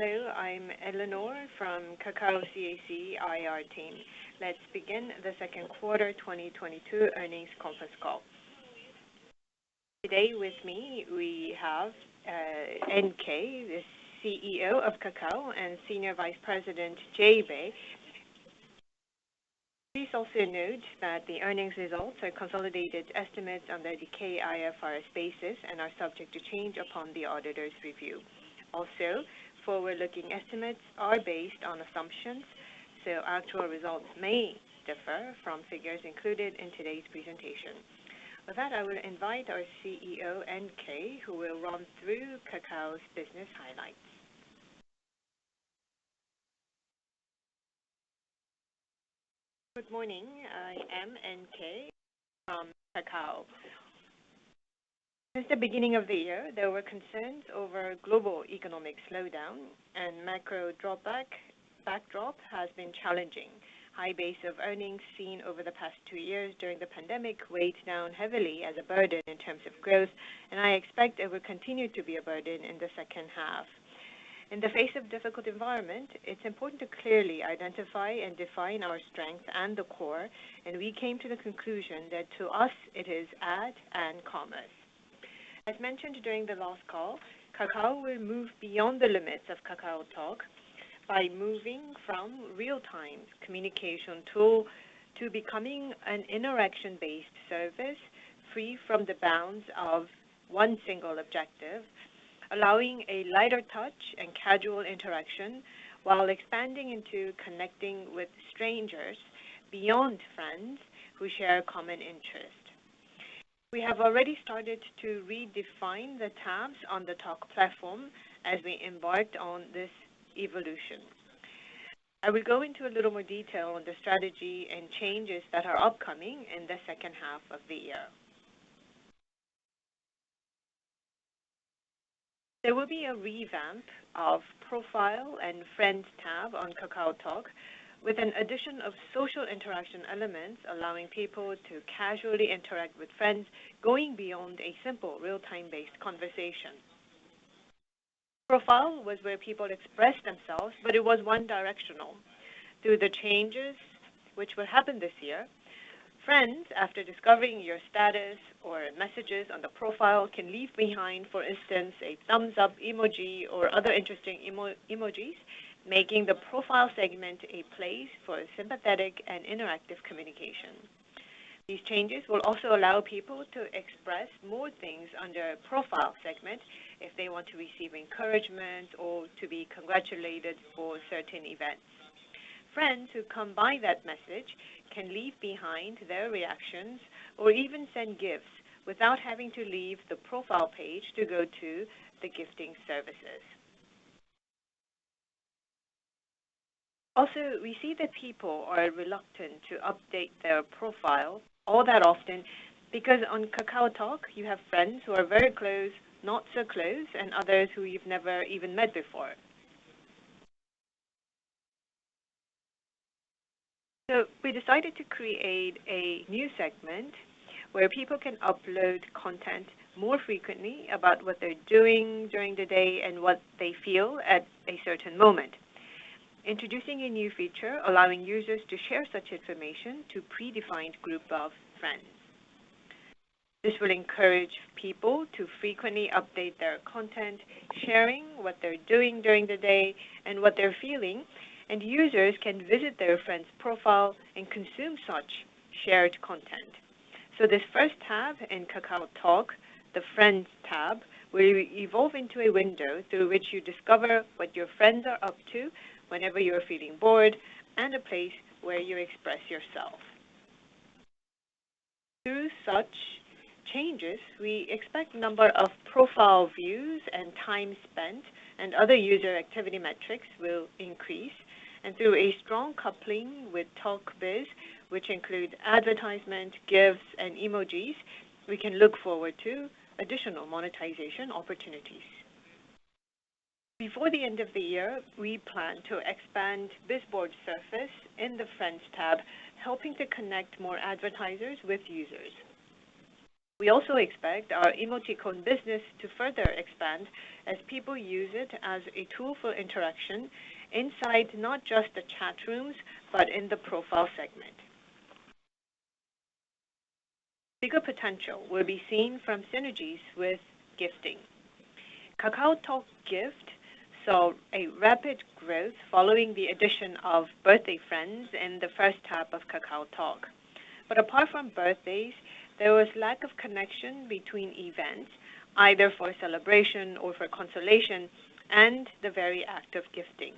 Hello, I'm Eleanor from Kakao CAC IR team. Let's begin the Second Quarter 2022 earnings conference call. Today with me we have NK, the CEO of Kakao, and Senior Vice President JB. Please also note that the earnings results are consolidated estimates under the KIFRS basis and are subject to change upon the auditor's review. Also, forward-looking estimates are based on assumptions, so actual results may differ from figures included in today's presentation. With that, I will invite our CEO, NK, who will run through Kakao's business highlights. Good morning. I am NK from Kakao. Since the beginning of the year, there were concerns over global economic slowdown and macro backdrop has been challenging. High base of earnings seen over the past two years during the pandemic weighed down heavily as a burden in terms of growth, and I expect it will continue to be a burden in the 2nd half. In the face of difficult environment, it's important to clearly identify and define our strength and the core, and we came to the conclusion that to us, it is ad and commerce. As mentioned during the last call, Kakao will move beyond the limits of KakaoTalk by moving from real-time communication tool to becoming an interaction-based service free from the bounds of one single objective, allowing a lighter touch and casual interaction while expanding into connecting with strangers beyond friends who share common interests. We have already started to redefine the tabs on the Talk platform as we embarked on this evolution. I will go into a little more detail on the strategy and changes that are upcoming in the 2nd half of the year. There will be a revamp of Profile and Friends tab on KakaoTalk with an addition of social interaction elements allowing people to casually interact with friends, going beyond a simple real-time-based conversation. Profile was where people expressed themselves, but it was one directional. Through the changes which will happen this year, friends, after discovering your status or messages on the profile, can leave behind, for instance, a thumbs up emoji or other interesting emojis, making the profile segment a place for sympathetic and interactive communication. These changes will also allow people to express more things under Profile segment if they want to receive encouragement or to be congratulated for certain events. Friends who come by that message can leave behind their reactions or even send gifts without having to leave the profile page to go to the gifting services. Also, we see that people are reluctant to update their profile all that often because on KakaoTalk you have friends who are very close, not so close, and others who you've never even met before. We decided to create a new segment where people can upload content more frequently about what they're doing during the day and what they feel at a certain moment, introducing a new feature allowing users to share such information to predefined group of friends. This will encourage people to frequently update their content, sharing what they're doing during the day and what they're feeling, and users can visit their friends' profile and consume such shared content. This 1st tab in KakaoTalk, the Friends tab, will evolve into a window through which you discover what your friends are up to whenever you are feeling bored, and a place where you express yourself. Through such changes, we expect number of profile views and time spent and other user activity metrics will increase, and through a strong coupling with TalkBiz, which include advertisement, gifts, and emojis, we can look forward to additional monetization opportunities. Before the end of the year, we plan to expand this Bizboard surface in the Friends tab, helping to connect more advertisers with users. We also expect our Emoticon business to further expand as people use it as a tool for interaction inside not just the chat rooms, but in the profile segment. Bigger potential will be seen from synergies with gifting. KakaoTalk Gift saw a rapid growth following the addition of birthday friends in the 1st half of KakaoTalk. Apart from birthdays, there was lack of connection between events, either for celebration or for consolation, and the very act of gifting.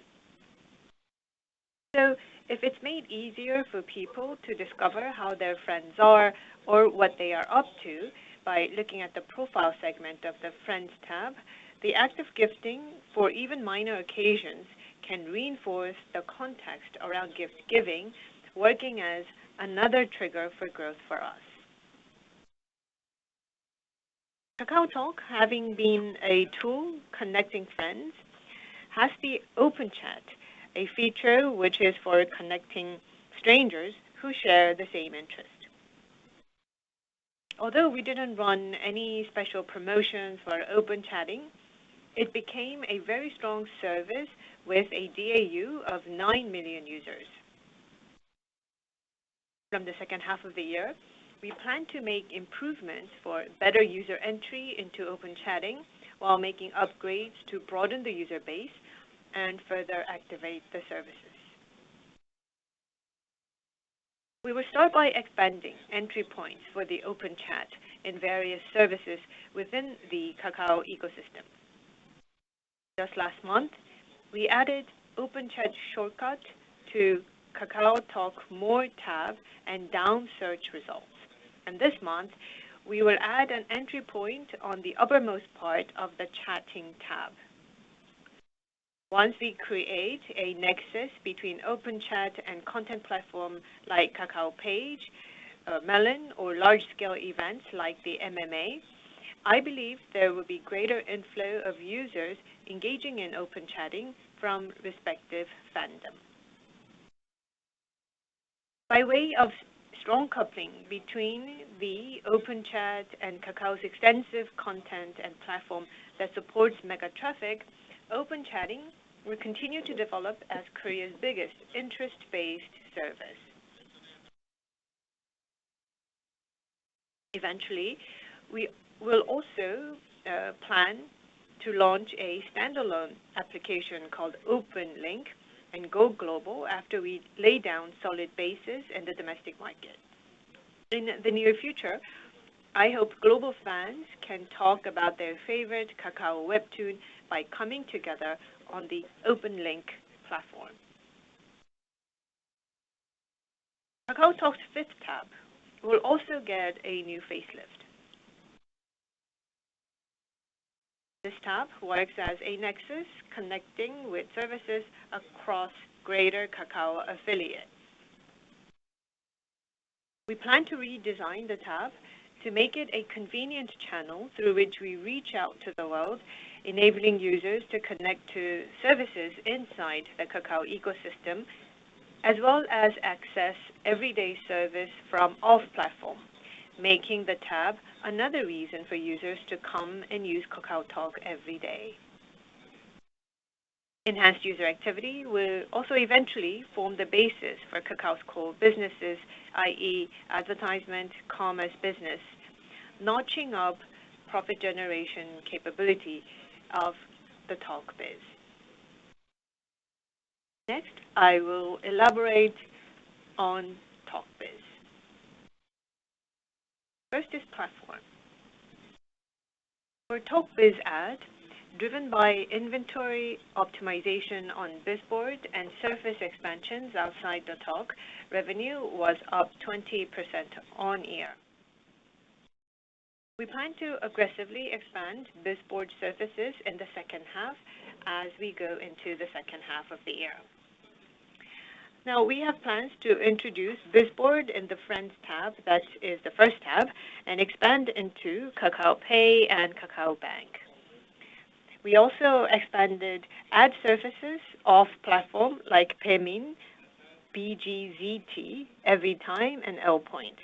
If it's made easier for people to discover how their friends are or what they are up to by looking at the profile segment of the Friends tab, the act of gifting for even minor occasions can reinforce the context around gift giving, working as another trigger for growth for us. KakaoTalk, having been a tool connecting friends, has the Open Chat, a feature which is for connecting strangers who share the same interests. Although we didn't run any special promotion for Open Chat, it became a very strong service with a DAU of 9 million users. From the 2nd half of the year, we plan to make improvements for better user entry into Open Chatting while making upgrades to broaden the user base and further activate the services. We will start by expanding entry points for the Open Chat in various services within the Kakao ecosystem. Just last month, we added Open Chat shortcut to KakaoTalk More tab and in search results. This month, we will add an entry point on the uppermost part of the Chatting tab. Once we create a nexus between Open Chat and content platform like KakaoPage, Melon, or large-scale events like the MMA, I believe there will be greater inflow of users engaging in Open Chatting from respective fandom. By way of strong coupling between the Open Chat and Kakao's extensive content and platform that supports mega traffic, Open Chatting will continue to develop as Korea's biggest interest-based service. Eventually, we will also plan to launch a standalone application called Open Link and go global after we lay down solid basis in the domestic market. In the near future, I hope global fans can talk about their favorite Kakao Webtoon by coming together on the Open Link platform. KakaoTalk's fifth tab will also get a new facelift. This tab works as a nexus connecting with services across greater Kakao affiliates. We plan to redesign the tab to make it a convenient channel through which we reach out to the world, enabling users to connect to services inside the Kakao ecosystem, as well as access everyday service from off platform, making the tab another reason for users to come and use KakaoTalk every day. Enhanced user activity will also eventually form the basis for Kakao's core businesses, i.e., advertisement, commerce business, notching up profit generation capability of the TalkBiz. Next, I will elaborate on TalkBiz. First is platform. For TalkBiz Ad, driven by inventory optimization on Bizboard and surface expansions outside the Talk, revenue was up 20% on year. We plan to aggressively expand Bizboard surfaces in the 2nd half as we go into the 2nd half of the year. Now, we have plans to introduce Bizboard in the Friends tab, that is the 1st tab, and expand into Kakao Pay and KakaoBank. We also expanded ad surfaces off platform like min, Bunjang, Everytime, and L.POINT.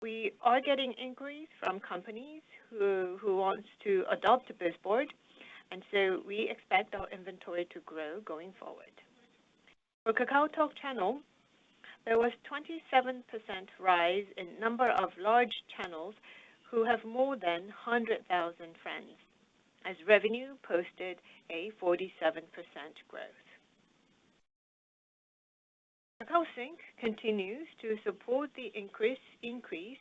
We are getting inquiries from companies who wants to adopt Bizboard, and so we expect our inventory to grow going forward. For KakaoTalk Channel, there was 27% rise in number of large channels who have more than 100,000 friends, as revenue posted a 47% growth. Kakao Sync continues to support the increase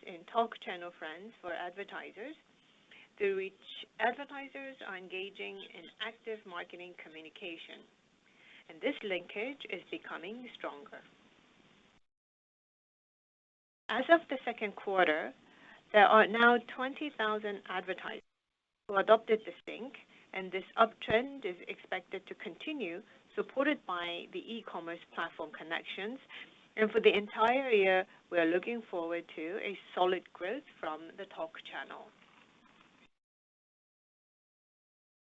in Talk Channel friends for advertisers, through which advertisers are engaging in active marketing communication, and this linkage is becoming stronger. As of the 2nd quarter, there are now 20,000 advertisers who adopted the Sync, and this uptrend is expected to continue, supported by the e-commerce platform connections. For the entire year, we are looking forward to a solid growth from the Talk Channel.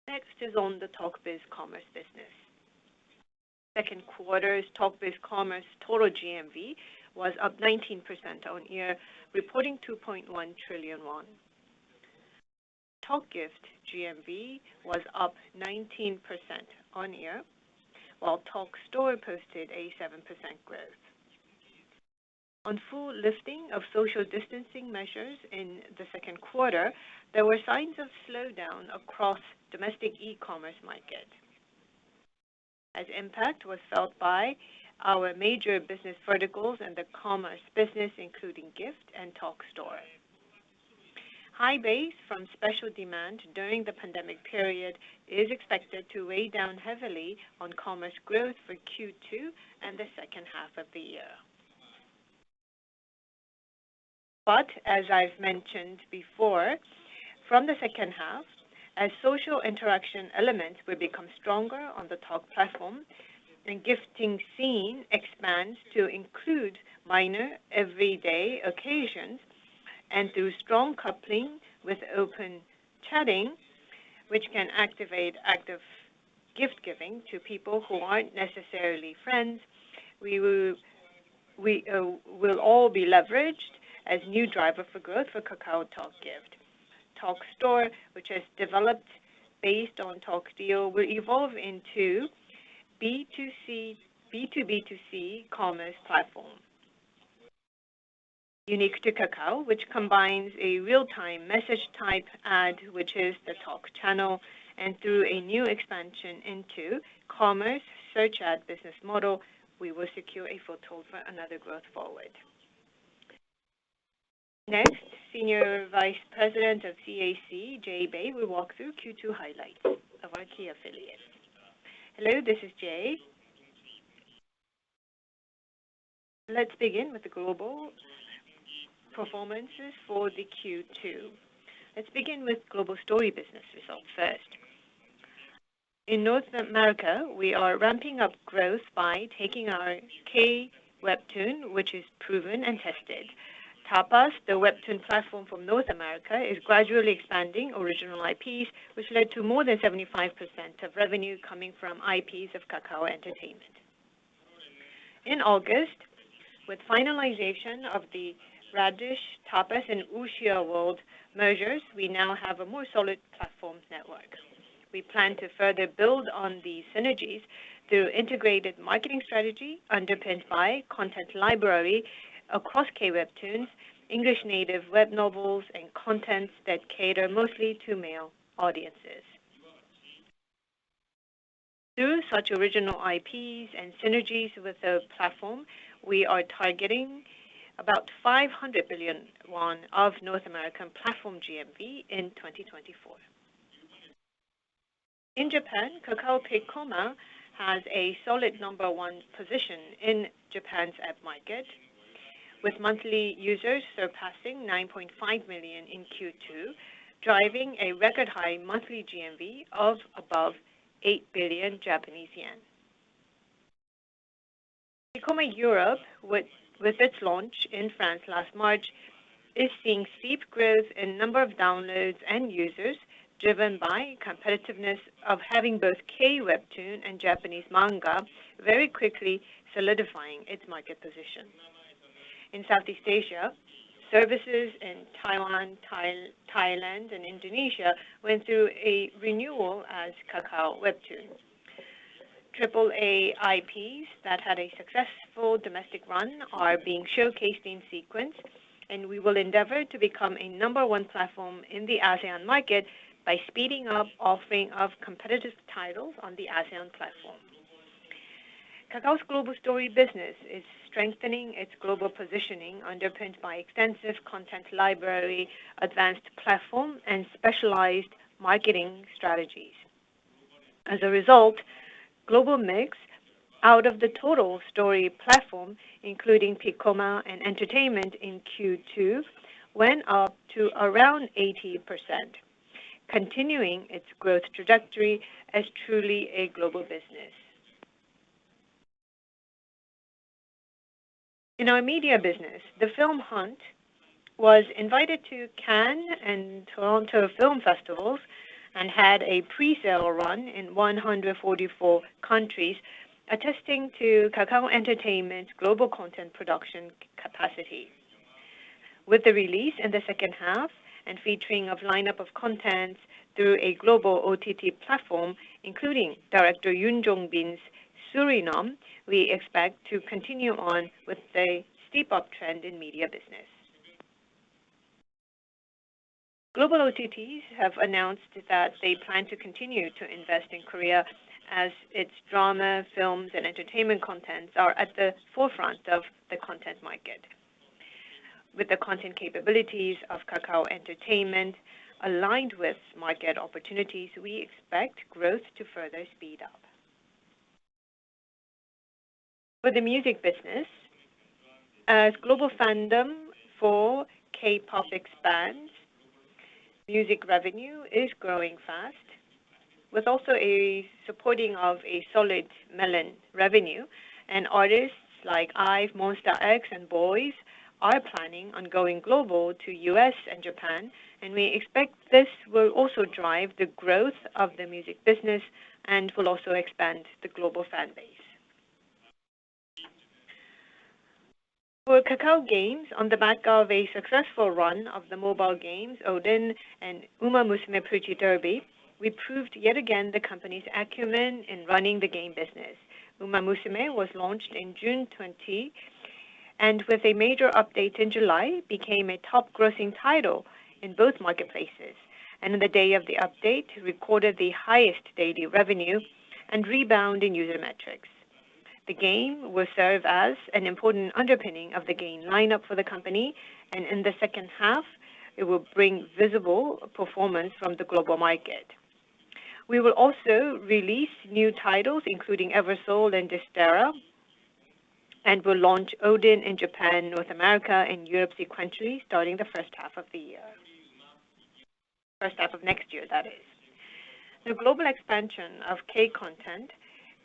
Next is on the TalkBiz Commerce business. Second quarter's TalkBiz Commerce total GMV was up 19% year-on-year, reporting KRW 2.1 trillion. Talk Gift GMV was up 19% year-on-year, while Talk Store posted a 7% growth. On full lifting of social distancing measures in the 2nd quarter, there were signs of slowdown across domestic e-commerce market, as impact was felt by our major business verticals in the commerce business, including Gift and Talk Store. High base from special demand during the pandemic period is expected to weigh down heavily on commerce growth for Q2 and the 2nd half of the year. As I've mentioned before, from the 2nd half, as social interaction elements will become stronger on the Talk platform and gifting scene expands to include minor everyday occasions and through strong coupling with Open Chat, which can activate active gift giving to people who aren't necessarily friends, we will all be leveraged as new driver for growth for KakaoTalk Gift. Talk Store, which has developed based on Talk Deal, will evolve into a B2B2C commerce platform. Unique to Kakao, which combines a real-time message type ad, which is the KakaoTalk Channel, and through a new expansion into commerce search ad business model, we will secure a foothold for another growth forward. Next, Senior Vice President of Jay Bae, will walk through Q2 highlights of our key affiliates. Hello, this is Jay. Let's begin with the global performances for the Q2. Let's begin with Global Story business results 1st. In North America, we are ramping up growth by taking our K Webtoon, which is proven and tested. Tapas, the webtoon platform from North America, is gradually expanding original IPs, which led to more than 75% of revenue coming from IPs of Kakao Entertainment. In August, with finalization of the Radish, Tapas and Wuxiaworld mergers, we now have a more solid platform network. We plan to further build on these synergies through integrated marketing strategy underpinned by content library across Korean webtoons, English native web novels, and contents that cater mostly to male audiences. Through such original IPs and synergies with the platform, we are targeting about 500 billion won of North American platform GMV in 2024. In Japan, Kakao Piccoma has a solid number one position in Japan's app market, with monthly users surpassing 9.5 million in Q2, driving a record high monthly GMV of above 8 billion Japanese yen. Piccoma Europe, with its launch in France last March, is seeing steep growth in number of downloads and users, driven by competitiveness of having both Korean webtoon and Japanese manga very quickly solidifying its market position. In Southeast Asia, services in Taiwan, Thailand and Indonesia went through a renewal as Kakao Webtoon. AAA IPs that had a successful domestic run are being showcased in sequence, and we will endeavor to become a number one platform in the ASEAN market by speeding up offering of competitive titles on the ASEAN platform. Kakao's Global Story business is strengthening its global positioning underpinned by extensive content library, advanced platform, and specialized marketing strategies. As a result, global mix out of the total story platform, including Piccoma and Kakao Entertainment in Q2, went up to around 80%, continuing its growth trajectory as truly a global business. In our media business, the film Hunt was invited to Cannes and Toronto Film Festivals and had a presale run in 144 countries, attesting to Kakao Entertainment's global content production capacity. With the release in the 2nd half and featuring of lineup of content through a global OTT platform, including director Yoon Jong-bin's Suriname, we expect to continue on with the step-up trend in media business. Global OTTs have announced that they plan to continue to invest in Korea as its drama, films and entertainment contents are at the forefront of the content market. With the content capabilities of Kakao Entertainment aligned with market opportunities, we expect growth to further speed up. For the music business, as global fandom for K-pop expands, music revenue is growing fast, with also a supporting of a solid Melon revenue and artists like IVE, Monsta X, and THE BOYZ are planning on going global to U.S. and Japan, and we expect this will also drive the growth of the music business and will also expand the global fan base. For Kakao Games, on the back of a successful run of the mobile games Odin and Umamusume: Pretty Derby, we proved yet again the company's acumen in running the game business. was launched in June 2020, and with a major update in July, became a top grossing title in both marketplaces, and on the day of the update, recorded the highest daily revenue and rebound in user metrics. The game will serve as an important underpinning of the game lineup for the company, and in the 2nd half it will bring visible performance from the global market. We will also release new titles including Eversoul and Dysterra, and will launch Odin in Japan, North America and Europe sequentially starting the 1st half of the year. First half of next year, that is. The global expansion of K-content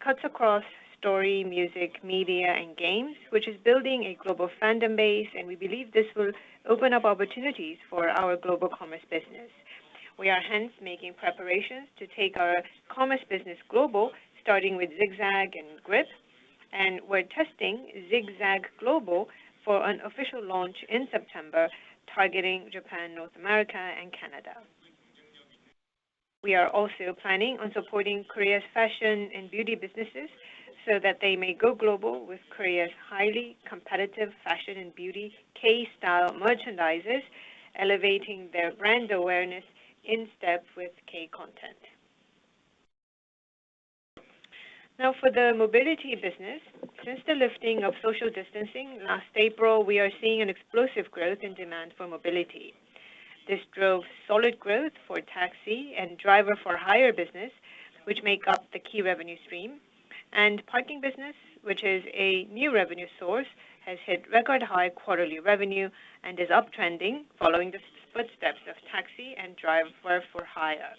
cuts across stories, music, media, and games, which is building a global fandom base, and we believe this will open up opportunities for our global commerce business. We are hence making preparations to take our commerce business global, starting with Zigzag and Grip, and we're testing Zigzag Global for an official launch in September, targeting Japan, North America, and Canada. We are also planning on supporting Korea's fashion and beauty businesses so that they may go global with Korea's highly competitive fashion and beauty K-style merchandise, elevating their brand awareness in step with K-content. Now for the mobility business. Since the lifting of social distancing last April, we are seeing an explosive growth in demand for mobility. This drove solid growth for taxi and driver-for-hire business, which make up the key revenue stream. Parking business, which is a new revenue source, has hit record-high quarterly revenue and is uptrending following the footsteps of taxi and driver for hire.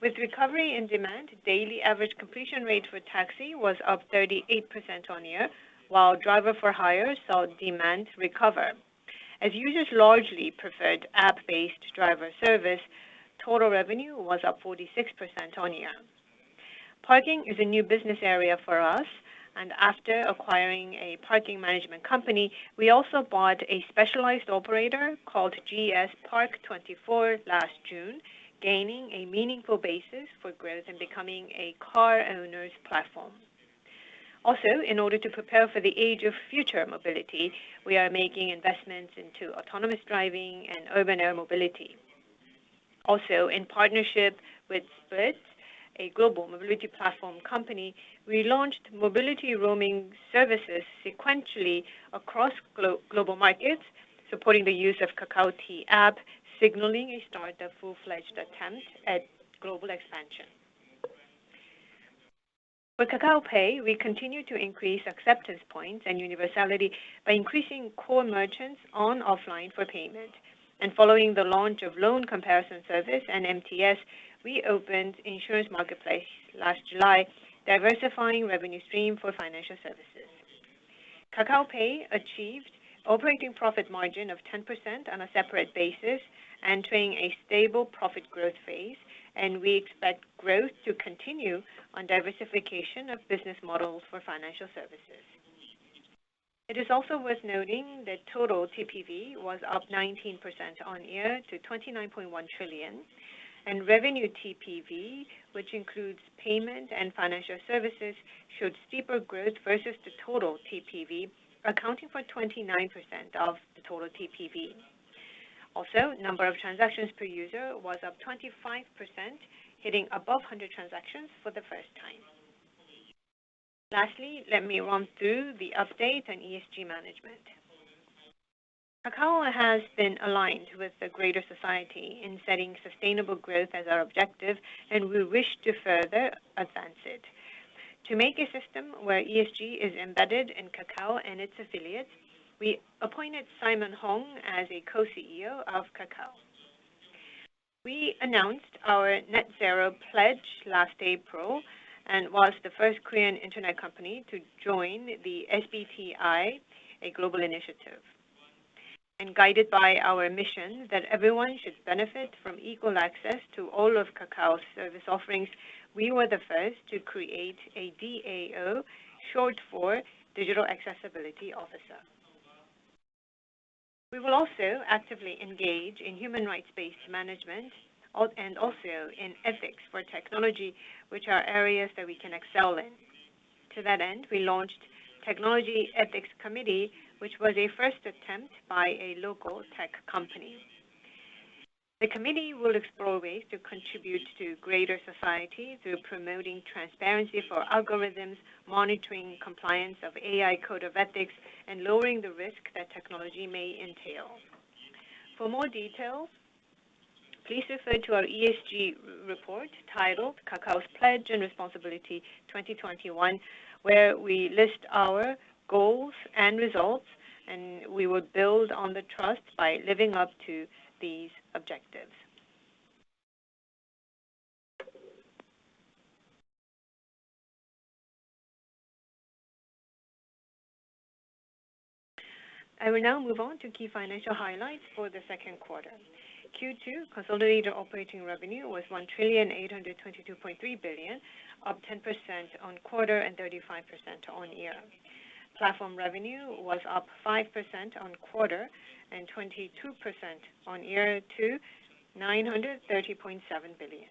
With recovery in demand, daily average completion rate for taxi was up 38% year-on-year, while driver for hire saw demand recover. As users largely preferred app-based driver service, total revenue was up 46% year-on-year. Parking is a new business area for us and after acquiring a parking management company, we also bought a specialized operator called GS Park24 last June, gaining a meaningful basis for growth and becoming a car owner's platform. Also, in order to prepare for the age of future mobility, we are making investments into autonomous driving and urban air mobility. Also, in partnership with Splyt, a global mobility platform company, we launched mobility roaming services sequentially across global markets, supporting the use of Kakao T app, signaling a start of full-fledged attempt at global expansion. For Kakao Pay, we continue to increase acceptance points and universality by increasing core merchants on offline for payment. Following the launch of loan comparison service and MTS, we opened insurance marketplace last July, diversifying revenue stream for financial services. Kakao Pay achieved operating profit margin of 10% on a separate basis, entering a stable profit growth phase, and we expect growth to continue on diversification of business models for financial services. It is also worth noting that total TPV was up 19% year-on-year to 29.1 trillion, and revenue TPV, which includes payment and financial services, showed steeper growth versus the total TPV, accounting for 29% of the total TPV. Also, number of transactions per user was up 25%, hitting above 100 transactions for the 1st time. Lastly, let me run through the update on ESG management. Kakao has been aligned with the greater society in setting sustainable growth as our objective, and we wish to further advance it. To make a system where ESG is embedded in Kakao and its affiliates, we appointed Simon Hong as a co-CEO of Kakao. We announced our net zero pledge last April and was the 1st Korean internet company to join the SBTi, a global initiative. Guided by our mission that everyone should benefit from equal access to all of Kakao's service offerings, we were the 1st to create a DAO, short for Digital Accessibility Officer. We will also actively engage in human rights-based management, AI and also in ethics for technology, which are areas that we can excel in. To that end, we launched Technology Ethics Committee, which was a 1st attempt by a local tech company. The committee will explore ways to contribute to greater society through promoting transparency for algorithms, monitoring compliance of AI code of ethics, and lowering the risk that technology may entail. For more details, please refer to our ESG report titled Kakao's Pledge and Responsibility 2021, where we list our goals and results, and we will build on the trust by living up to these objectives. I will now move on to key financial highlights for the 2nd quarter. Q2 consolidated operating revenue was 1,822.3 trillion, up 10% quarter-over-quarter and 35% year-over-year. Platform revenue was up 5% quarter-over-quarter and 22% year-over-year to 930.7 billion.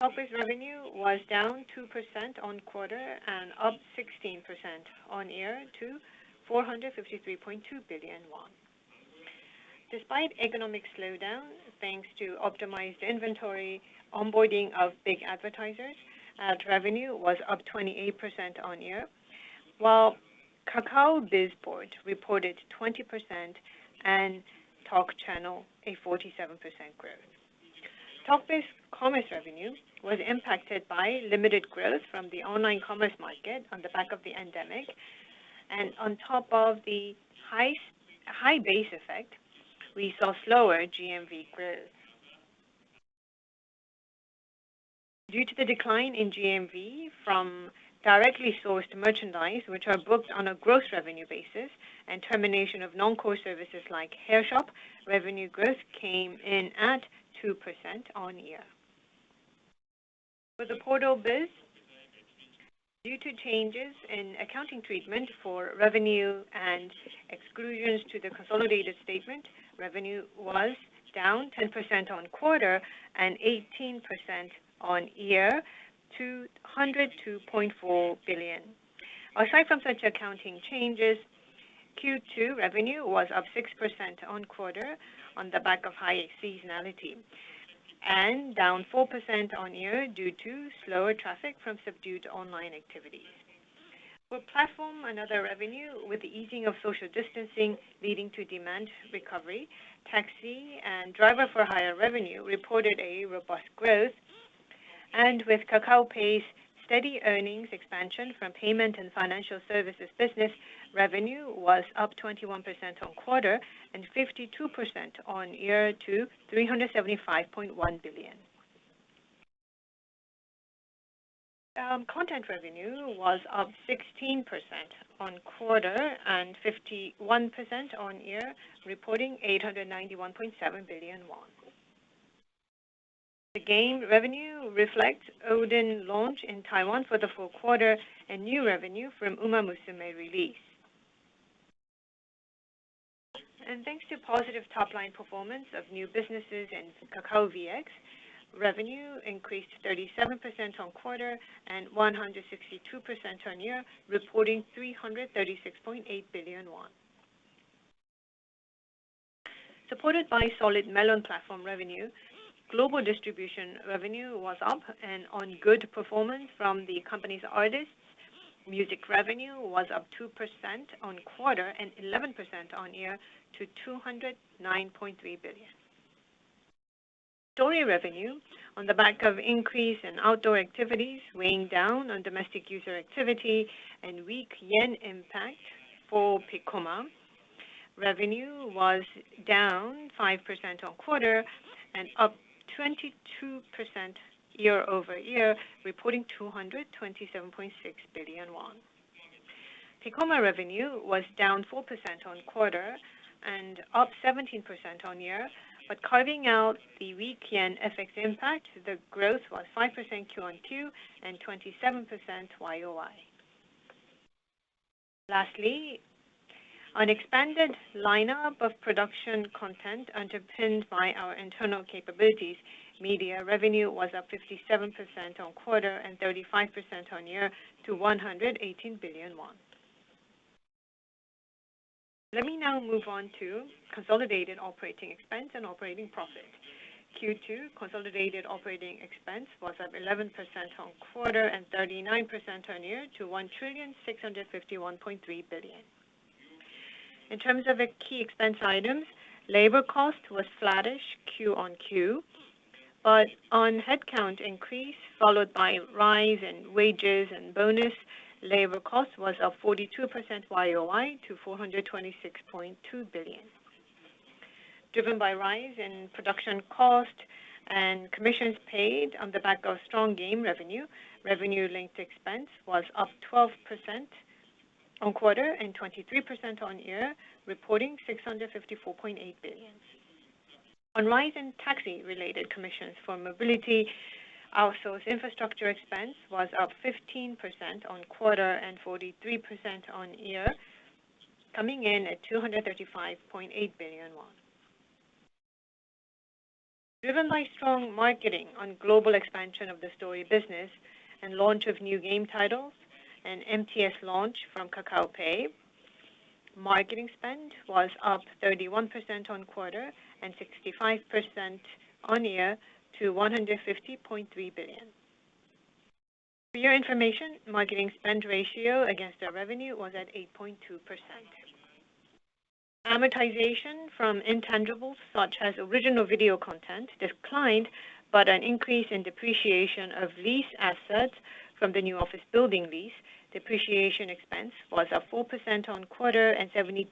Office revenue was down 2% quarter-over-quarter and up 16% year-over-year to 453.2 billion won. Despite economic slowdown, thanks to optimized inventory, onboarding of big advertisers, ad revenue was up 28% year-over-year, while Kakao Bizboard reported 20% and KakaoTalk Channel a 47% growth. TalkBiz commerce revenue was impacted by limited growth from the online commerce market on the back of the pandemic and on top of the high base effect. We saw slower GMV growth. Due to the decline in GMV from directly sourced merchandise, which are booked on a gross revenue basis and termination of non-core services like Hairshop, revenue growth came in at 2% year-over-year. For the portal biz, due to changes in accounting treatment for revenue and exclusions to the consolidated statement, revenue was down 10% quarter-over-quarter and 18% year-over-year to 102.4 billion. Aside from such accounting changes, Q2 revenue was up 6% quarter-over-quarter on the back of high seasonality, and down 4% year-over-year due to slower traffic from subdued online activity. For platform and other revenue, with the easing of social distancing leading to demand recovery, taxi and driver for hire revenue reported a robust growth. With Kakao Pay's steady earnings expansion from payment and financial services business, revenue was up 21% quarter-over-quarter and 52% year-over-year to 375.1 billion. Content revenue was up 16% quarter-over-quarter and 51% year-over-year, reporting 891.7 billion won. The game revenue reflects Odin launch in Taiwan for the full quarter and new revenue from Umamusume release. Thanks to positive top-line performance of new businesses and Kakao VX, revenue increased 37% quarter-over-quarter and 162% year-over-year, reporting KRW 336.8 billion. Supported by solid Melon platform revenue, global distribution revenue was up, and on good performance from the company's artists, music revenue was up 2% quarter-over-quarter and 11% year-over-year to KRW 209.3 billion. Story revenue on the back of increase in outdoor activities, weighing down on domestic user activity and weak yen impact for Piccoma. Revenue was down 5% quarter-on-quarter and up 22% year-over-year, reporting 227.6 billion won. Piccoma revenue was down 4% quarter-on-quarter and up 17% year-over-year. But carving out the weak yen FX impact, the growth was 5% QoQ and 27% YoY. Lastly, on expanded lineup of production content underpinned by our internal capabilities, media revenue was up 57% quarter-on-quarter and 35% year-over-year to KRW 118 billion. Let me now move on to consolidated operating expense and operating profit. Q2 consolidated operating expense was up 11% quarter-on-quarter and 39% year-over-year to 1,651.3 trillion. In terms of the key expense items, labor cost was flattish QoQ. On headcount increase, followed by rise in wages and bonus, labor cost was up 42% YoY to 426.2 billion. Driven by rise in production cost and commissions paid on the back of strong game revenue-linked expense was up 12% QoQ and 23% YoY, reporting 654.8 billion. On rise in taxi-related commissions for mobility, outsourced infrastructure expense was up 15% QoQ and 43% YoY, coming in at KRW 235.8 billion. Driven by strong marketing on global expansion of the story business and launch of new game titles and MTS launch from Kakao Pay, marketing spend was up 31% QoQ and 65% YoY to 150.3 billion. For your information, marketing spend ratio against our revenue was at 8.2%. Amortization from intangibles such as original video content declined, but an increase in depreciation of lease assets from the new office building lease depreciation expense was up 4% on quarter and 72%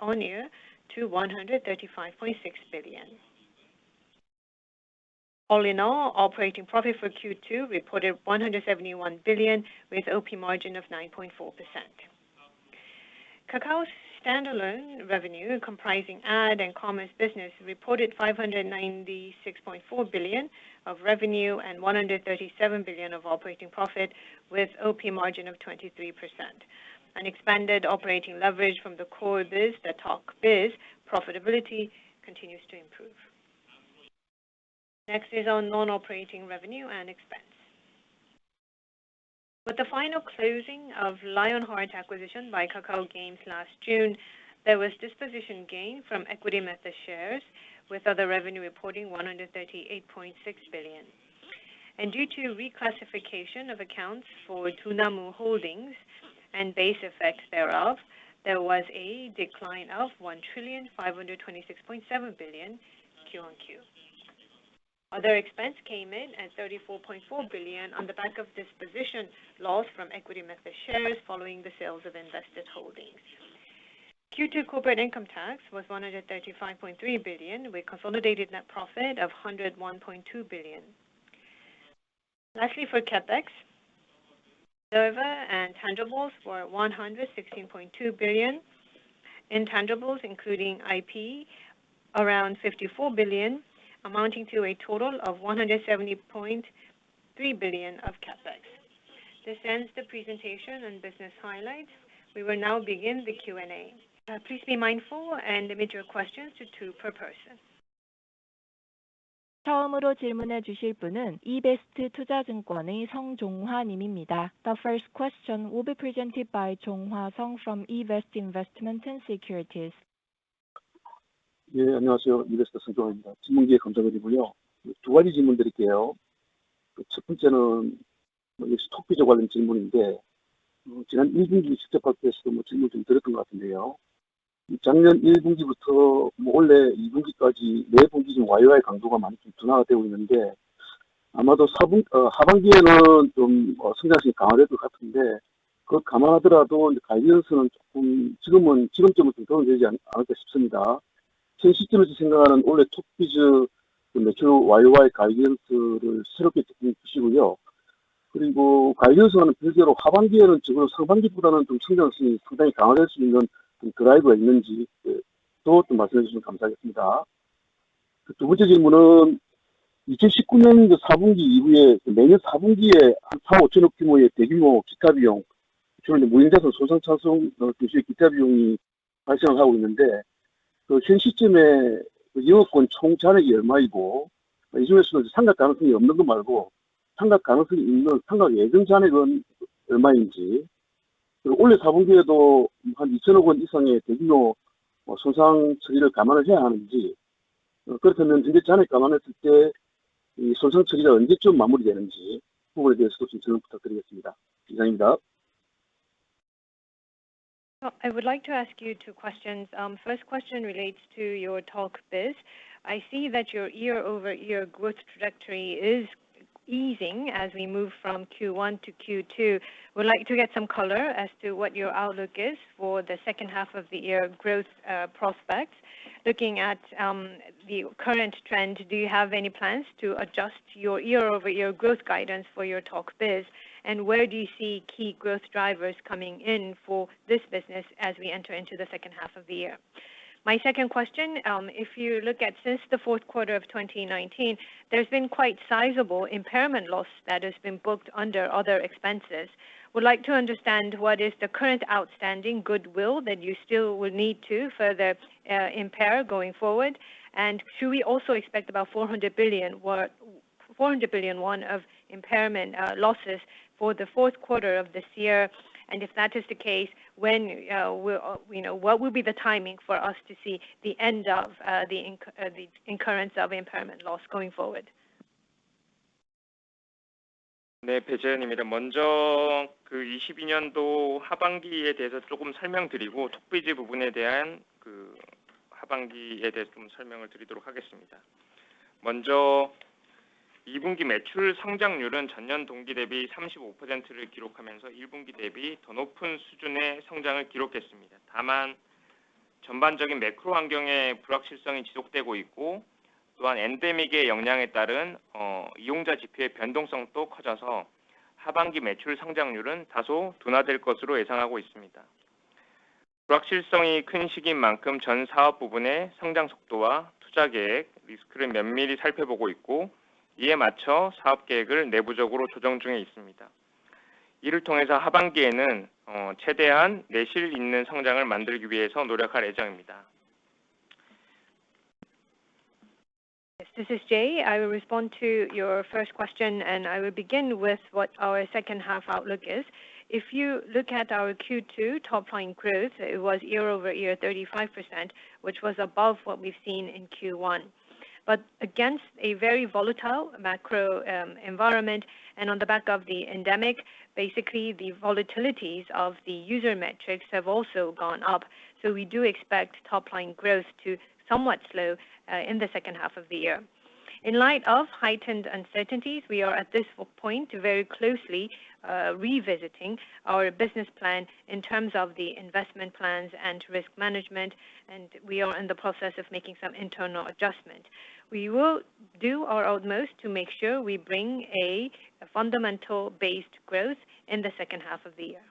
on-year to 135.6 billion. All in all, operating profit for Q2 reported 171 billion, with OP margin of 9.4%. Kakao's standalone revenue, comprising ad and commerce business, reported 596.4 billion of revenue and 137 billion of operating profit, with OP margin of 23%. An expanded operating leverage from the core biz, TalkBiz profitability continues to improve. Next is our non-operating revenue and expense. With the final closing of Lionheart Studio acquisition by Kakao Games last June, there was disposition gain from equity method shares, with other revenue reporting 138.6 billion. Due to reclassification of accounts for Dunamu Holdings and base effect thereof, there was a decline of 1,526.7 trillion QoQ. Other expense came in at 34.4 billion on the back of disposition loss from equity method shares following the sales of invested holdings. Q2 corporate income tax was 135.3 billion, with consolidated net profit of 101.2 billion. Lastly, for CapEx, server and tangibles were 116.2 billion. Intangibles, including IP, around 54 billion, amounting to a total of 170.3 billion of CapEx. This ends the presentation and business highlights. We will now begin the Q&A. Please be mindful and limit your questions to two per person. The 1st question will be presented by Jong-Hwa Sung from eBest Investment & Securities Co. I would like to ask you two questions. First question relates to your TalkBiz. I see that your year-over-year growth trajectory is easing as we move from Q1 to Q2. Would like to get some color as to what your outlook is for the 2nd half of the year growth prospects. Looking at the current trend, do you have any plans to adjust your year-over-year growth guidance for your TalkBiz? Where do you see key growth drivers coming in for this business as we enter into the 2nd half of the year? My 2nd question, if you look at since the fourth quarter of 2019, there's been quite sizable impairment loss that has been booked under other expenses. Would like to understand what is the current outstanding goodwill that you still will need to further impair going forward. Should we also expect about 400 billion of impairment losses for the fourth quarter of this year? If that is the case, when will, you know, what will be the timing for us to see the end of the incurrence of impairment loss going forward? Yes, this is Jay. I will respond to your 1st question, and I will begin with what our 2nd half outlook is. If you look at our Q2 top line growth, it was year-over-year 35%, which was above what we've seen in Q1. Against a very volatile macro environment, and on the back of the endemic, basically, the volatilities of the user metrics have also gone up. We do expect top line growth to somewhat slow in the 2nd half of the year. In light of heightened uncertainties, we are at this point very closely revisiting our business plan in terms of the investment plans and risk management, and we are in the process of making some internal adjustment. We will do our utmost to make sure we bring a fundamental based growth in the 2nd half of the year.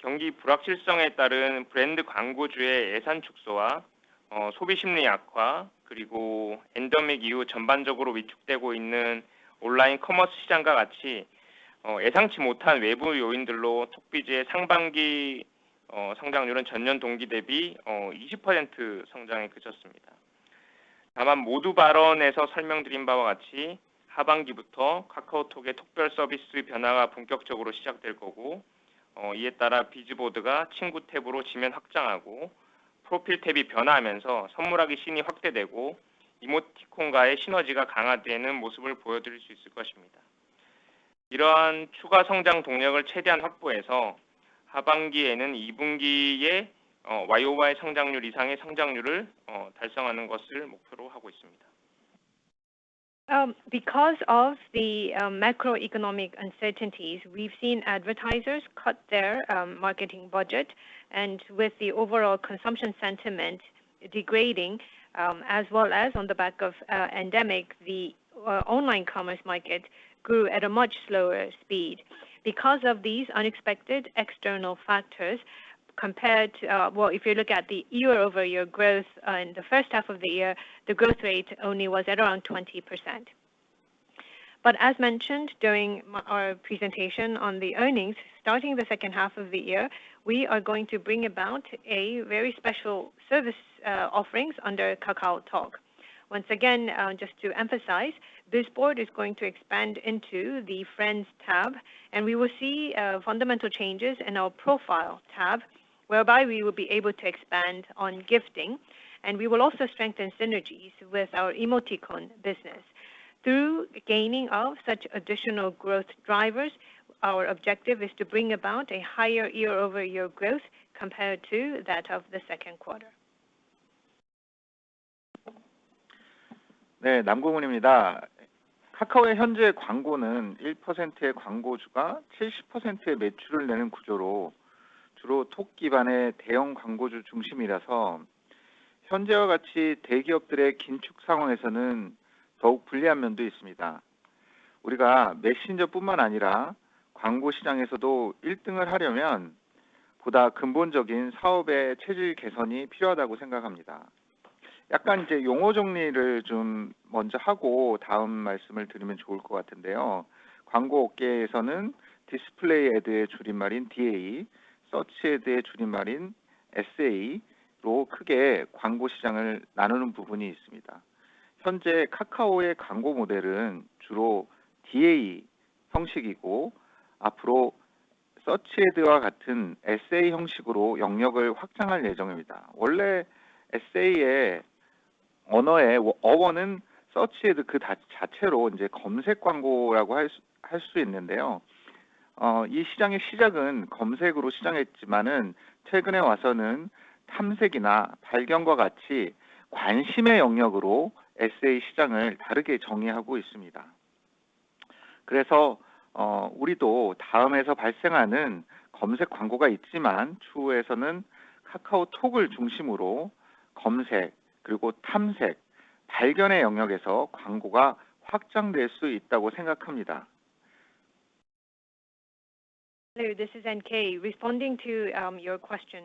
Due to the uncertainty in the economy, brands and advertisers have reduced their budgets, and consumer sentiment has weakened. In addition, with the overall shrinking online commerce market since the pandemic, TalkBiz's growth rate for the 1st half of the year was 20% compared to the same period last year. However, as mentioned in the opening statement, from the 2nd half of the year onwards, KakaoTalk's special services will begin to change in earnest. Accordingly, Kakao Bizboard will be expanded to the Friends tab, the Profile tab will change, the Gift Scene will be expanded, and the synergy with Emoticon will be strengthened. Because of the macroeconomic uncertainties, we've seen advertisers cut their marketing budget. With the overall consumption sentiment degrading, as well as on the back of endemic, the online commerce market grew at a much slower speed. Because of these unexpected external factors compared, well, if you look at the year-over-year growth, in the 1st half of the year, the growth rate only was at around 20%. As mentioned during our presentation on the earnings, starting the 2nd half of the year, we are going to bring about a very special service offerings under KakaoTalk. Once again, just to emphasize, this Bizboard is going to expand into the Friends tab, and we will see fundamental changes in our Profile tab, whereby we will be able to expand on gifting, and we will also strengthen synergies with our Emoticon business. Through gaining of such additional growth drivers, our objective is to bring about a higher year-over-year growth compared to that of the 2nd quarter. Ne, Nam Goong-hoon imnida. Kakaoui honjae gwanggonun il poosenteui gwanggojuga chilsip poosenteui maechureul naeneun gujoro juro tok gibane daeyong gwanggoju jungsimiraseo honjaewa gachi daegieopdeuri ginchuk sanghwangeseoneun deouk bunlihan myeondo itseumnida. Uriga messenger bbumman anira gwanggo singhangeseodo ilddeungeul haryeomyeon buda geumbonjeogin sawobe chaejul gesaeni piryohadago saenggakhamnida. Yakan ije yongho jeongrileul jom meonje hago daeum malseumeul deureumyeon joheul geo gatindeoyo. Gwanggo ogyeesoneun display ad-ui julimarin DA, search ad-ui julimarin SAro keuge gwanggo singhang을 naruneun bubuneu itseumnida. Honjae Kakaoui gwanggo modeureun juro DA seongsigigo apeuro search adwa gateun SA seongsigoro yeongnyeogeul hwakjanghal jeongimnida. Wonrae SA-ui eonoe wi- eowoeneun search ad geu da-chachaero ije geomsaek gwanggo rago hal su-hal su itneundeoyo. Uh, i singhangui sijag-eun geomsaekuro sijaghaetjimanun chaek-e waseoneun chamsaekina balgyeongwa gachi gwansim-ui yeongnyeoguro SA singhang을 dareuge jeonghaeago itseumnida. Geuraeseo, uh, urido daeumeseo balssaeneun geomsaek gwanggo-ga itjiman chuhoeeseoneun KakaoTalk을 jungsimuro geomsaek, geurigo chamsaek, balgyeon-ui yeongnyeogeseo gwanggo-ga hwakjangdoel su itdago saenggakhamnida. Hello, this is NK responding to your question.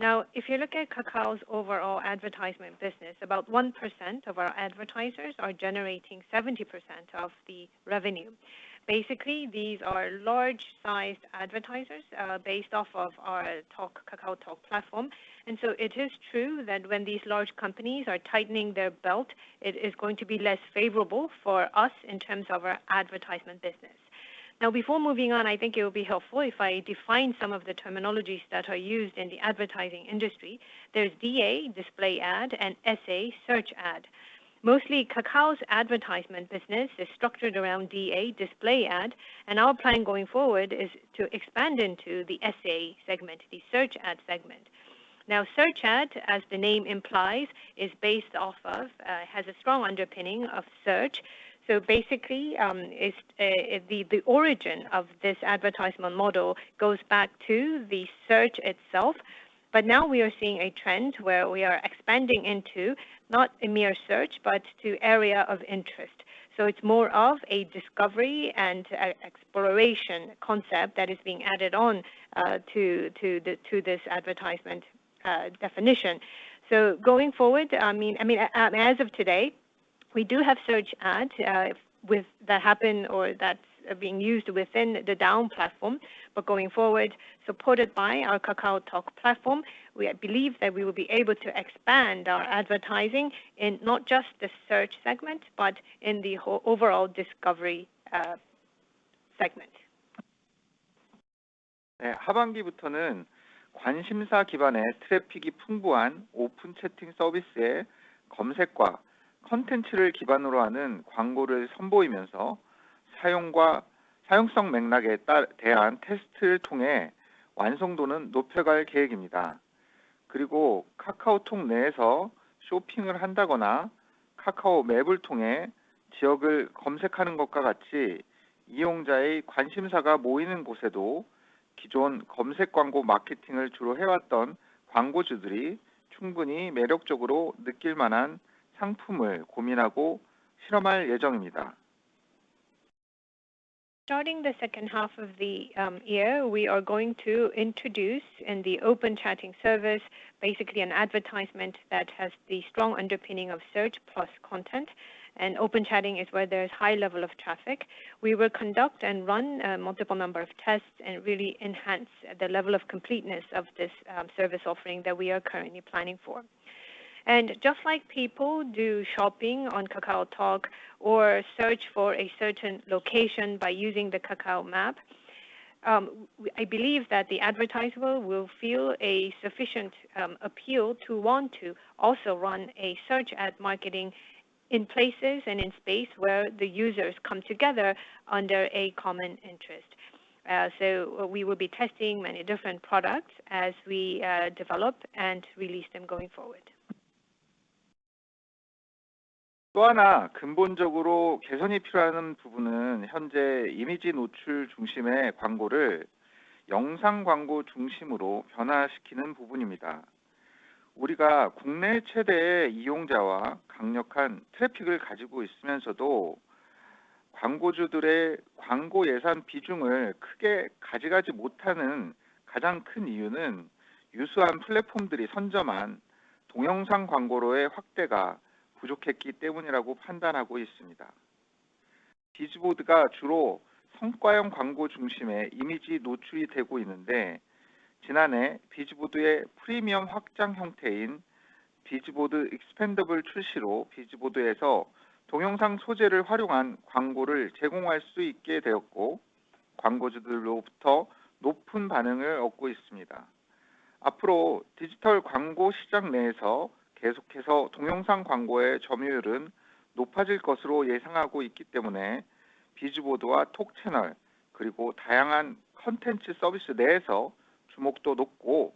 Now, if you look at Kakao's overall advertisement business, about 1% of our advertisers are generating 70% of the revenue. Basically, these are large-sized advertisers based off of our Talk, KakaoTalk platform. It is true that when these large companies are tightening their belt, it is going to be less favorable for us in terms of our advertisement business. Now, before moving on, I think it would be helpful if I define some of the terminologies that are used in the advertising industry. There's DA, display ad, and SA, search ad. Mostly, Kakao's advertisement business is structured around DA, display ad, and our plan going forward is to expand into the SA segment, the search ad segment. Now, search ad, as the name implies, has a strong underpinning of search. Basically, it's the origin of this advertisement model goes back to the search itself. Now we are seeing a trend where we are expanding into not a mere search, but to area of interest. It's more of a discovery and exploration concept that is being added on to this advertisement definition. Going forward, I mean, as of today, we do have search ad with that happening or that's being used within the Daum platform. Going forward, supported by our KakaoTalk platform, we believe that we will be able to expand our advertising in not just the search segment, but in the overall discovery segment. Ne, habanggi butoeuneun gwansimsa gibane traffic-i pungwon places and spaces where the users come together under a common interest. We will be testing many different products as we develop and release them going forward. 또 하나 근본적으로 개선이 필요한 부분은 현재 이미지 노출 중심의 광고를 영상 광고 중심으로 변화시키는 부분입니다. 우리가 국내 최대의 이용자와 강력한 트래픽을 가지고 있으면서도 광고주들의 광고 예산 비중을 크게 가져가지 못하는 가장 큰 이유는 유수한 플랫폼들이 선점한 동영상 광고로의 확대가 부족했기 때문이라고 판단하고 있습니다. 비즈보드가 주로 성과형 광고 중심의 이미지 노출이 되고 있는데, 지난해 비즈보드의 프리미엄 확장 형태인 Bizboard Expandable 출시로 비즈보드에서 동영상 소재를 활용한 광고를 제공할 수 있게 되었고, 광고주들로부터 높은 반응을 얻고 있습니다. 앞으로 디지털 광고 시장 내에서 계속해서 동영상 광고의 점유율은 높아질 것으로 예상하고 있기 때문에 비즈보드와 톡채널, 그리고 다양한 콘텐츠 서비스 내에서 주목도 높고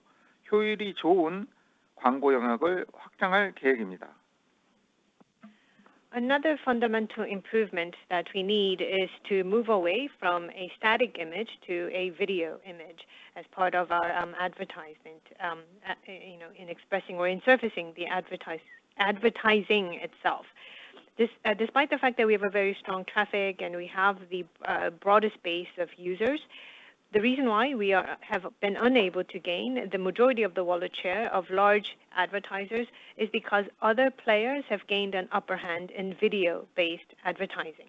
효율이 좋은 광고 영역을 확장할 계획입니다. Another fundamental improvement that we need is to move away from a static image to a video image as part of our advertisement, you know, in expressing or in surfacing the advertising itself. Despite the fact that we have a very strong traffic and we have the broadest base of users, the reason why we have been unable to gain the majority of the wallet share of large advertisers is because other players have gained an upper hand in video-based advertising.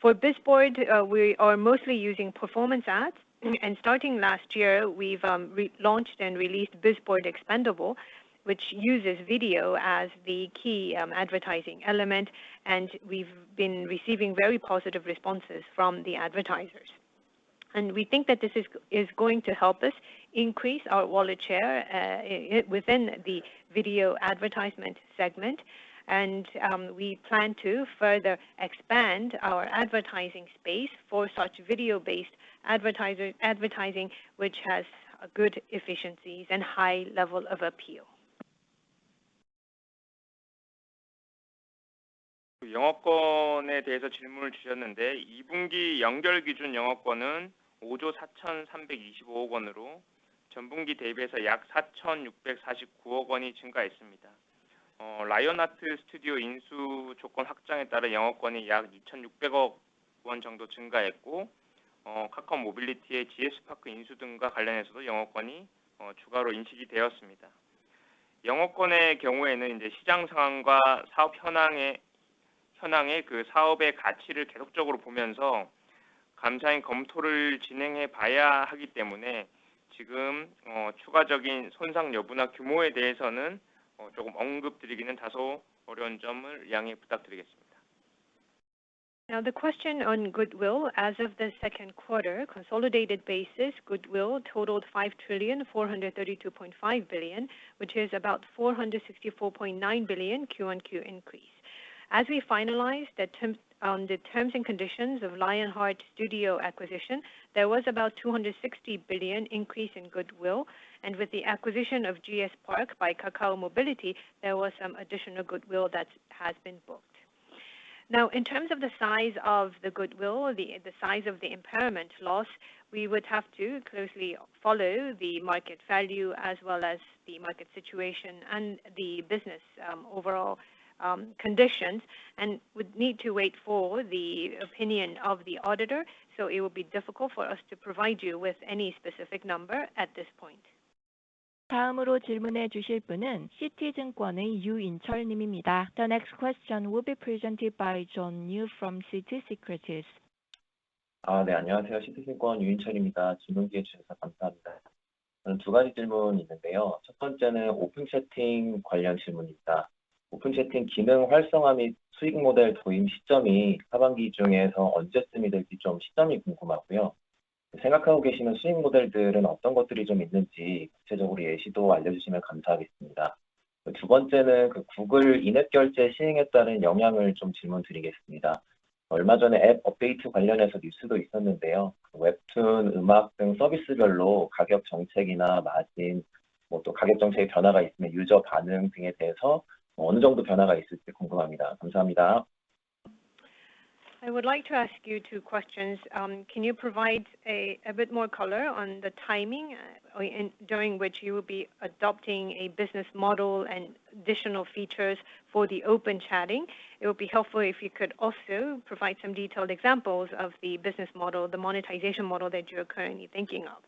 For Bizboard, we are mostly using performance ads, and starting last year, we've re-launched and released Bizboard Expandable, which uses video as the key advertising element, and we've been receiving very positive responses from the advertisers. We think that this is going to help us increase our wallet share within the video advertisement segment, and we plan to further expand our advertising space for such video-based advertising, which has good efficiencies and high level of appeal. 영업권에 대해서 질문을 주셨는데, 이 분기 연결 기준 영업권은 5조 4,325억 원으로 전분기 대비해서 약 4,649억 원이 증가했습니다. 라이온하트 스튜디오 인수 조건 확장에 따라 영업권이 약 2,600억 원 정도 증가했고, 카카오 모빌리티의 GS파크 인수 등과 관련해서도 영업권이 추가로 인식이 되었습니다. 영업권의 경우에는 시장 상황과 사업 현황의 그 사업의 가치를 계속적으로 보면서 감사의 검토를 진행해 봐야 하기 때문에 지금 추가적인 손상 여부나 규모에 대해서는 조금 언급드리기는 다소 어려운 점을 양해 부탁드리겠습니다. The question on goodwill. As of the 2nd quarter, consolidated basis, goodwill totaled 5,432.5 trillion, which is about 464.9 billion QoQ increase. As we finalized the terms and conditions of Lionheart Studio acquisition, there was about 260 billion increase in goodwill. With the acquisition of GS Park24 by Kakao Mobility, there was some additional goodwill that has been booked. In terms of the size of the goodwill, the size of the impairment loss, we would have to closely follow the market value as well as the market situation and the business overall conditions, and would need to wait for the opinion of the auditor. It would be difficult for us to provide you with any specific number at this point. 다음으로 질문해 주실 분은 씨티증권의 유인철 님입니다. The next question will be presented by John Yu from Citi Securities. 안녕하세요. 씨티증권 유인철입니다. 질문 기회 주셔서 감사합니다. 저는 두 가지 질문 있는데요. 첫 번째는 Open Chat 관련 질문입니다. Open Chat 기능 활성화 및 수익 모델 도입 시점이 하반기 중에서 언제쯤이 될지 좀 시점이 궁금하고요. 생각하고 계시는 수익 모델들은 어떤 것들이 좀 있는지 구체적으로 예시도 알려주시면 감사하겠습니다. 두 번째는 Google in-app 결제 시행에 따른 영향을 좀 질문드리겠습니다. 얼마 전에 app 업데이트 관련해서 뉴스도 있었는데요. 웹툰, 음악 등 서비스별로 가격 정책이나 마진, 또 가격 정책의 변화가 있으면 유저 반응 등에 대해서 어느 정도 변화가 있을지 궁금합니다. 감사합니다. I would like to ask you two questions. Can you provide a bit more color on the timing during which you will be adopting a business model and additional features for the Open Chat? It would be helpful if you could also provide some detailed examples of the business model, the monetization model that you're currently thinking of.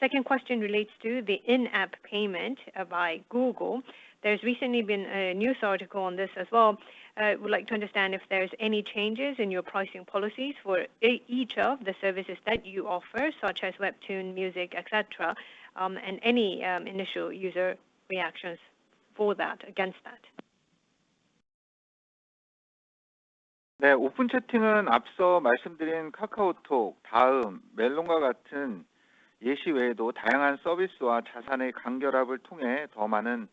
Second question relates to the in-app payment by Google. There's recently been a news article on this as well. Would like to understand if there's any changes in your pricing policies for each of the services that you offer, such as Webtoon, music, et cetera, and any initial user reactions for that, against that. 오픈 채팅은 앞서 말씀드린 카카오톡, 다음, 멜론과 같은 예시 외에도 다양한 서비스와 자산의 결합을 통해 더 많은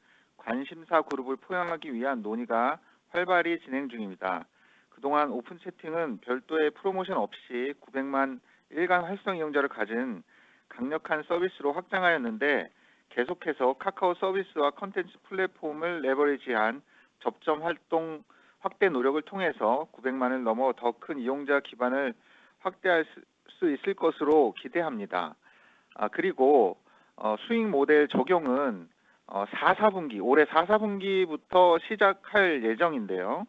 관심사 그룹을 포용하기 위한 논의가 활발히 진행 중입니다. 그동안 오픈 채팅은 별도의 프로모션 없이 900만 일간 활성 이용자를 가진 강력한 서비스로 확장하였는데, 계속해서 카카오 서비스와 콘텐츠 플랫폼을 레버리지한 접점 활동 확대 노력을 통해서 900만을 넘어 더큰 이용자 기반을 확대할 수 있을 것으로 기대합니다. 수익 모델 적용은 올해 4사분기부터 시작할 예정인데요.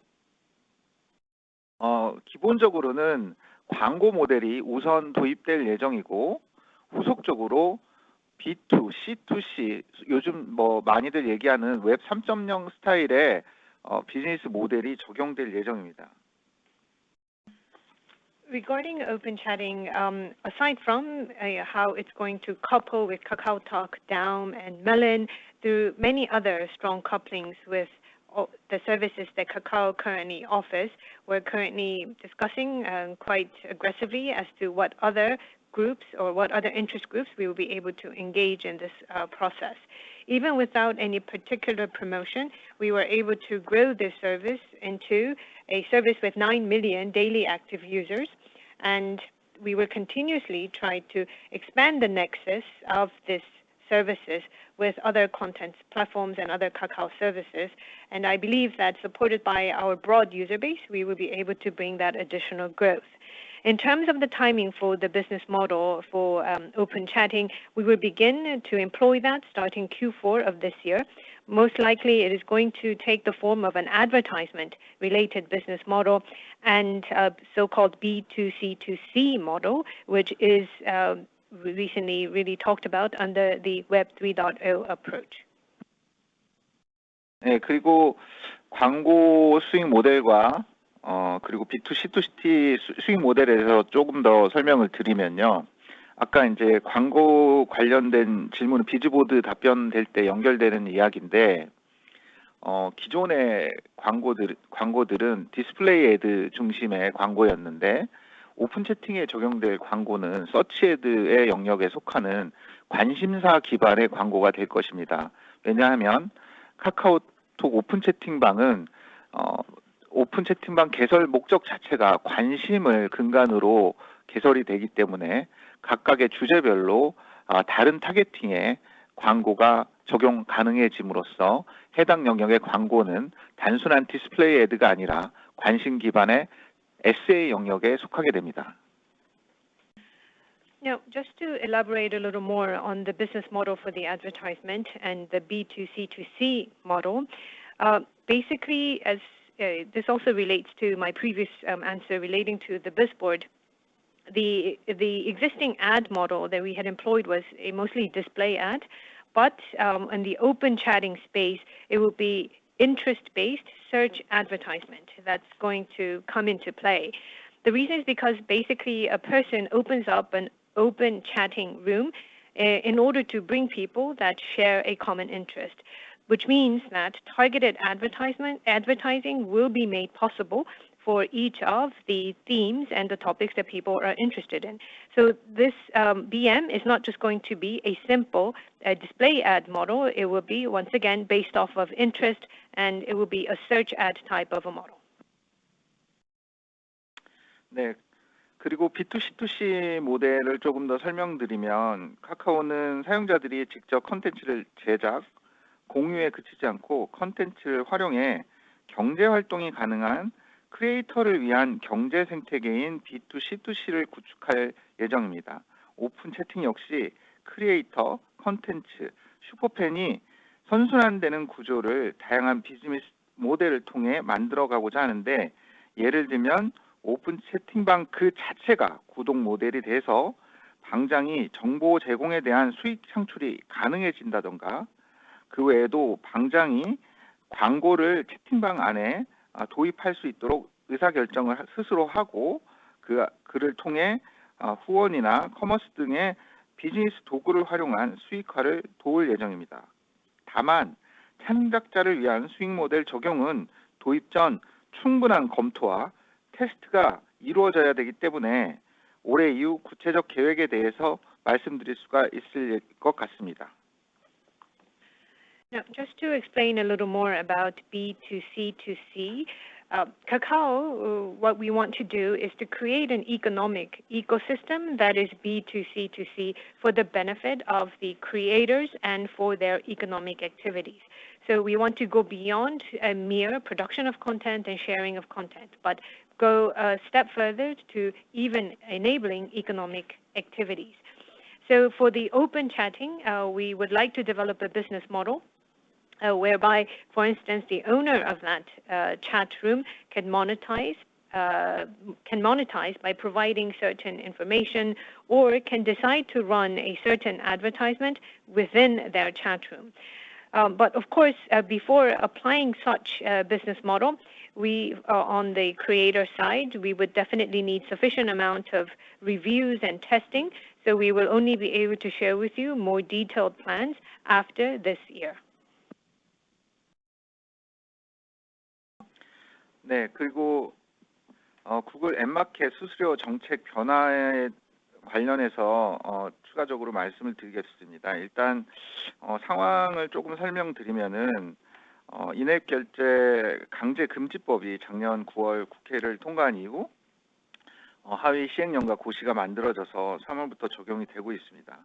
기본적으로는 광고 모델이 우선 도입될 예정이고, 후속적으로 B2C2C, 요즘 많이들 얘기하는 Web 3.0 스타일의 비즈니스 모델이 적용될 예정입니다. Regarding Open Chat, aside from how it's going to couple with KakaoTalk, Daum and Melon through many other strong couplings with other services that Kakao currently offers, we're currently discussing quite aggressively as to what other groups or what other interest groups we will be able to engage in this process. Even without any particular promotion, we were able to grow this service into a service with 9 million daily active users. We will continuously try to expand the nexus of these services with other content platforms and other Kakao services. I believe that supported by our broad user base, we will be able to bring that additional growth. In terms of the timing for the business model for Open Chat, we will begin to employ that starting Q4 of this year. Most likely it is going to take the form of an advertisement related business model and so-called B2C2C model, which is recently really talked about under the Web 3.0 approach. 광고 수익 모델과 B2C2C 수익 모델에서 조금 더 설명을 드리면요. 아까 광고 관련된 질문은 비즈보드 답변될 때 연결되는 이야기인데, 기존의 광고들은 디스플레이 애드 중심의 광고였는데 오픈 채팅에 적용될 광고는 서치 애드의 영역에 속하는 관심사 기반의 광고가 될 것입니다. 왜냐하면 카카오톡 오픈 채팅방은 오픈 채팅방 개설 목적 자체가 관심을 근간으로 개설이 되기 때문에 각각의 주제별로 다른 타겟팅의 광고가 적용 가능해짐으로써 해당 영역의 광고는 단순한 디스플레이 애드가 아니라 관심 기반의 SA 영역에 속하게 됩니다. Yeah. Just to elaborate a little more on the business model for the advertisement and the B2C2C model. Basically, this also relates to my previous answer relating to the Bizboard. The existing ad model that we had employed was a mostly display ad, but in the open chatting space, it will be interest-based search advertisement that's going to come into play. The reason is because basically a person opens up an open chatting room in order to bring people that share a common interest, which means that targeted advertising will be made possible for each of the themes and the topics that people are interested in. This BM is not just going to be a simple display ad model. It will be once again based off of interest, and it will be a search ad type of a model. 네, 그리고 B2C2C 모델을 조금 더 설명드리면, 카카오는 사용자들이 직접 콘텐츠를 제작, 공유에 그치지 않고 콘텐츠를 활용해 경제활동이 가능한 크리에이터를 위한 경제 생태계인 B2C2C를 구축할 예정입니다. Open Chat 역시 크리에이터, 콘텐츠, 슈퍼팬이 선순환되는 구조를 다양한 비즈니스 모델을 통해 만들어 가고자 하는데, 예를 들면 Open Chat방 그 자체가 구독 모델이 돼서 방장이 정보 제공에 대한 수익 창출이 가능해진다던가, 그 외에도 방장이 광고를 채팅방 안에 도입할 수 있도록 의사결정을 스스로 하고, 그를 통해 후원이나 커머스 등의 비즈니스 도구를 활용한 수익화를 도울 예정입니다. 다만 창작자를 위한 수익 모델 적용은 도입 전 충분한 검토와 테스트가 이루어져야 되기 때문에 올해 이후 구체적 계획에 대해서 말씀드릴 수가 있을 것 같습니다. Now, just to explain a little more about B2C2C, Kakao, what we want to do is to create an economic ecosystem that is B2C2C for the benefit of the creators and for their economic activities. We want to go beyond a mere production of content and sharing of content, but go a step further to even enabling economic activities. For Open Chat, we would like to develop a business model, whereby, for instance, the owner of that chat room can monetize by providing certain information or can decide to run a certain advertisement within their chat room. But of course, before applying such a business model, we are on the creator side. We would definitely need sufficient amount of reviews and testing, so we will only be able to share with you more detailed plans after this year. 구글 앱 마켓 수수료 정책 변화에 관련해서 추가적으로 말씀을 드리겠습니다. 일단 상황을 조금 설명드리면, 인앱결제 강제 금지법이 작년 9월 국회를 통과한 이후 하위 시행령과 고시가 만들어져서 3월부터 적용이 되고 있습니다.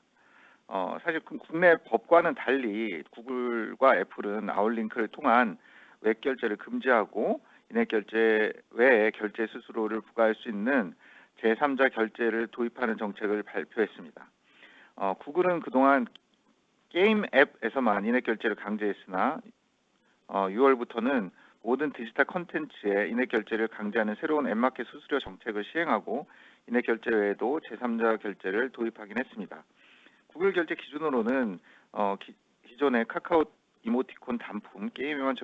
사실 그 국내 법과는 달리 구글과 애플은 아웃링크를 통한 웹 결제를 금지하고 인앱결제 외에 결제 수수료를 부과할 수 있는 제삼자 결제를 도입하는 정책을 발표했습니다. 구글은 그동안 게임 앱에서만 인앱결제를 강제했으나, 6월부터는 모든 디지털 콘텐츠에 인앱결제를 강제하는 새로운 앱 마켓 수수료 정책을 시행하고, 인앱결제 외에도 제삼자 결제를 도입하긴 했습니다. 구글 결제 기준으로는 기존의 카카오 이모티콘 단품 게임에만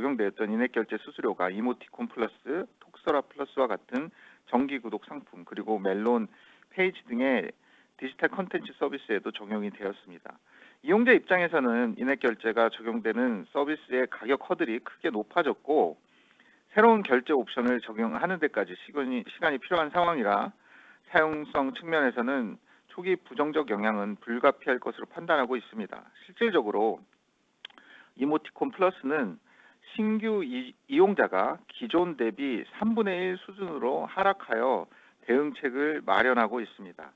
적용되었던 인앱결제 수수료가 이모티콘 플러스, 톡서랍 플러스와 같은 정기 구독 상품, 그리고 멜론, 페이지 등의 디지털 콘텐츠 서비스에도 적용이 되었습니다. 이용자 입장에서는 인앱결제가 적용되는 서비스의 가격 허들이 크게 높아졌고, 새로운 결제 옵션을 적용하는 데까지 시간이 필요한 상황이라 사용성 측면에서는 초기 부정적 영향은 불가피할 것으로 판단하고 있습니다. 실질적으로 이모티콘 플러스는 신규 이용자가 기존 대비 1/3 수준으로 하락하여 대응책을 마련하고 있습니다.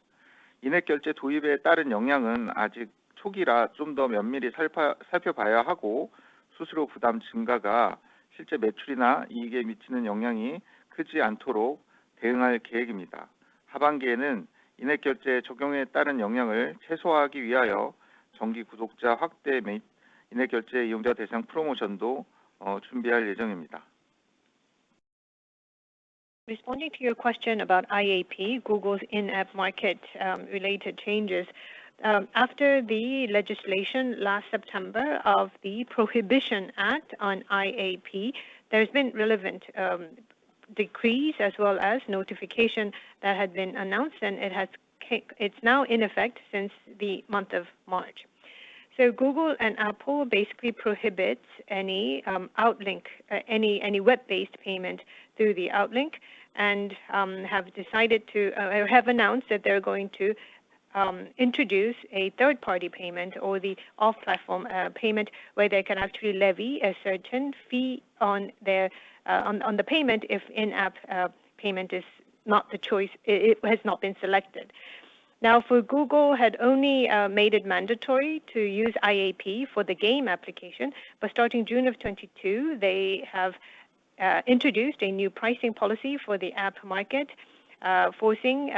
인앱결제 도입에 따른 영향은 아직 초기라 좀더 면밀히 살펴봐야 하고, 수수료 부담 증가가 실제 매출이나 이익에 미치는 영향이 크지 않도록 대응할 계획입니다. 하반기에는 인앱결제 적용에 따른 영향을 최소화하기 위하여 정기 구독자 확대 및 인앱결제 이용자 대상 프로모션도 준비할 예정입니다. Responding to your question about IAP, Google's in-app market related changes. After the legislation last September of the Prohibition Act on IAP, there has been relevant decrees as well as notification that had been announced, and it's now in effect since the month of March. Google and Apple basically prohibits any outlink, any web-based payment through the outlink and have decided to have announced that they're going to introduce a 3rd-party payment or the off-platform payment where they can actually levy a certain fee on the payment if in-app payment is not the choice, it has not been selected. Now, Google had only made it mandatory to use IAP for the game application, but starting June of 2022, they have introduced a new pricing policy for the app market, forcing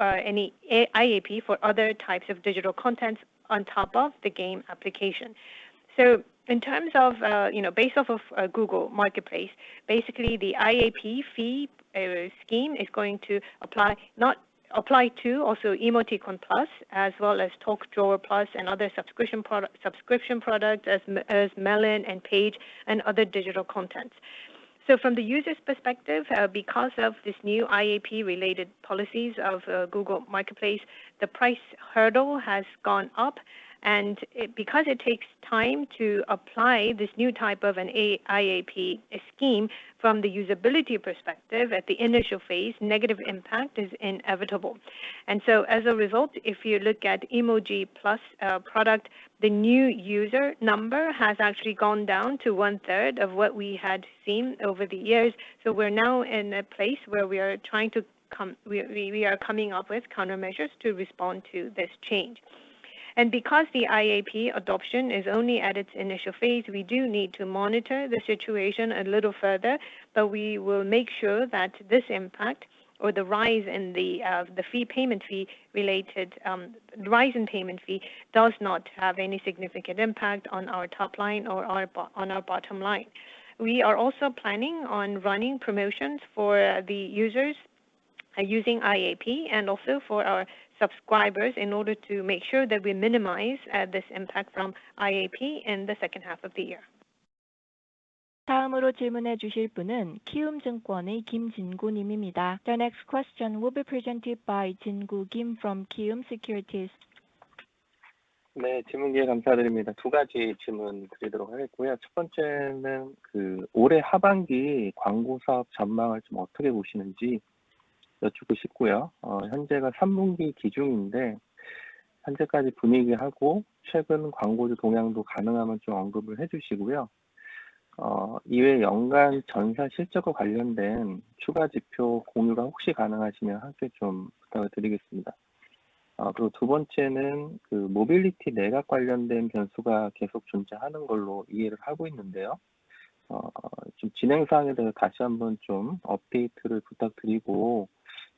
any IAP for other types of digital content on top of the game application. In terms of, based off of Google Marketplace, basically the IAP fee scheme is going to apply, not apply to also Emoticon Plus, as well as Talk Serap Plus and other subscription products as Melon and KakaoPage and other digital contents. From the user's perspective, because of this new IAP related policies of Google Marketplace, the price hurdle has gone up and it because it takes time to apply this new type of an IAP scheme from the usability perspective at the initial phase, negative impact is inevitable. As a result, if you look at Emoticon Plus product, the new user number has actually gone down to one 3rd of what we had seen over the years. We're now in a place where we are coming up with countermeasures to respond to this change. Because the IAP adoption is only at its initial phase, we do need to monitor the situation a little further, but we will make sure that this impact or the rise in the payment fee does not have any significant impact on our top line or our bottom line. We are also planning on running promotions for the users using IAP and also for our subscribers in order to make sure that we minimize this impact from IAP in the 2nd half of the year. 다음으로 질문해 주실 분은 키움증권의 김진구 님입니다. The next question will be presented by Jin-gu Kim from KIWOOM Securities Co. 네, 질문 기회 감사드립니다. 두 가지 질문드리도록 하겠고요. 첫 번째는 올해 하반기 광고 사업 전망을 좀 어떻게 보시는지 여쭙고 싶고요. 현재가 3분기 기준인데 현재까지 분위기하고 최근 광고주 동향도 가능하면 좀 언급을 해주시고요. 이외 연간 전사 실적과 관련된 추가 지표 공유가 혹시 가능하시면 함께 좀 부탁을 드리겠습니다. 그리고 두 번째는 모빌리티 내각 관련된 변수가 계속 존재하는 걸로 이해를 하고 있는데요. 진행 사항에 대해서 다시 한번 좀 업데이트를 부탁드리고,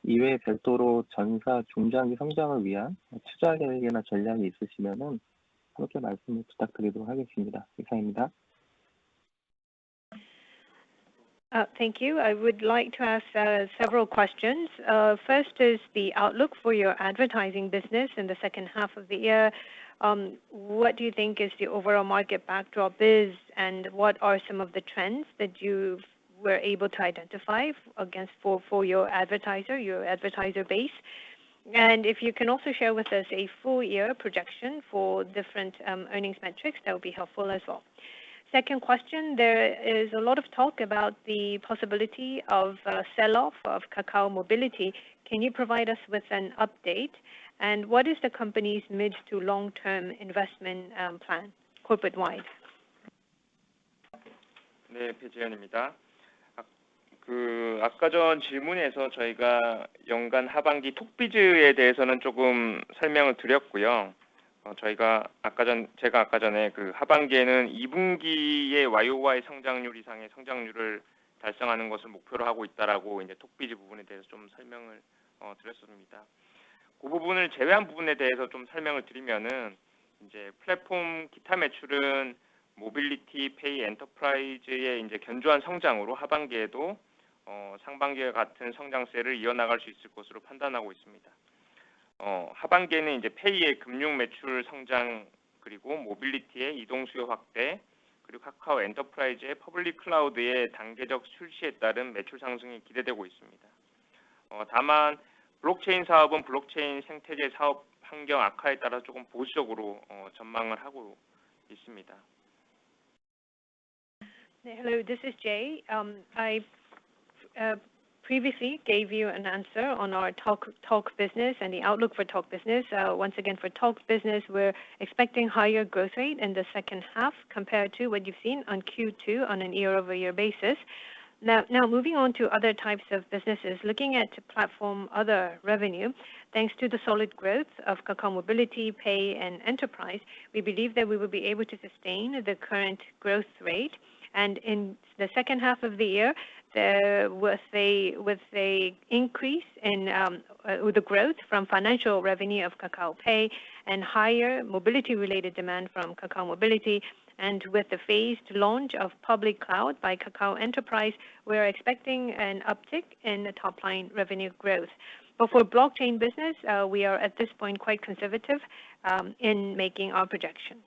이외 별도로 전사 중장기 성장을 위한 투자 계획이나 전략이 있으시면 함께 말씀을 부탁드리도록 하겠습니다. 이상입니다. Thank you. I would like to ask several questions. First is the outlook for your advertising business in the 2nd half of the year. What do you think is the overall market backdrop is, and what are some of the trends that you've were able to identify against for your advertiser base? If you can also share with us a full year projection for different earnings metrics, that would be helpful as well. Second question, there is a lot of talk about the possibility of a sell-off of Kakao Mobility. Can you provide us with an update? What is the company's mid- to long-term investment plan corporate-wide? Hello, this is Jay. I previously gave you an answer on our Talk business and the outlook for Talk business. Once again, for Talk business, we're expecting higher growth rate in the 2nd half compared to what you've seen on Q2 on a year-over-year basis. Now moving on to other types of businesses, looking at platform other revenue, thanks to the solid growth of Kakao Mobility, Pay and Enterprise, we believe that we will be able to sustain the current growth rate. In the 2nd half of the year, with a increase in or the growth from financial revenue of KakaoPay and higher mobility-related demand from Kakao Mobility, and with the phased launch of public cloud by Kakao Enterprise, we're expecting an uptick in the top line revenue growth. For blockchain business, we are at this point, quite conservative, in making our projections.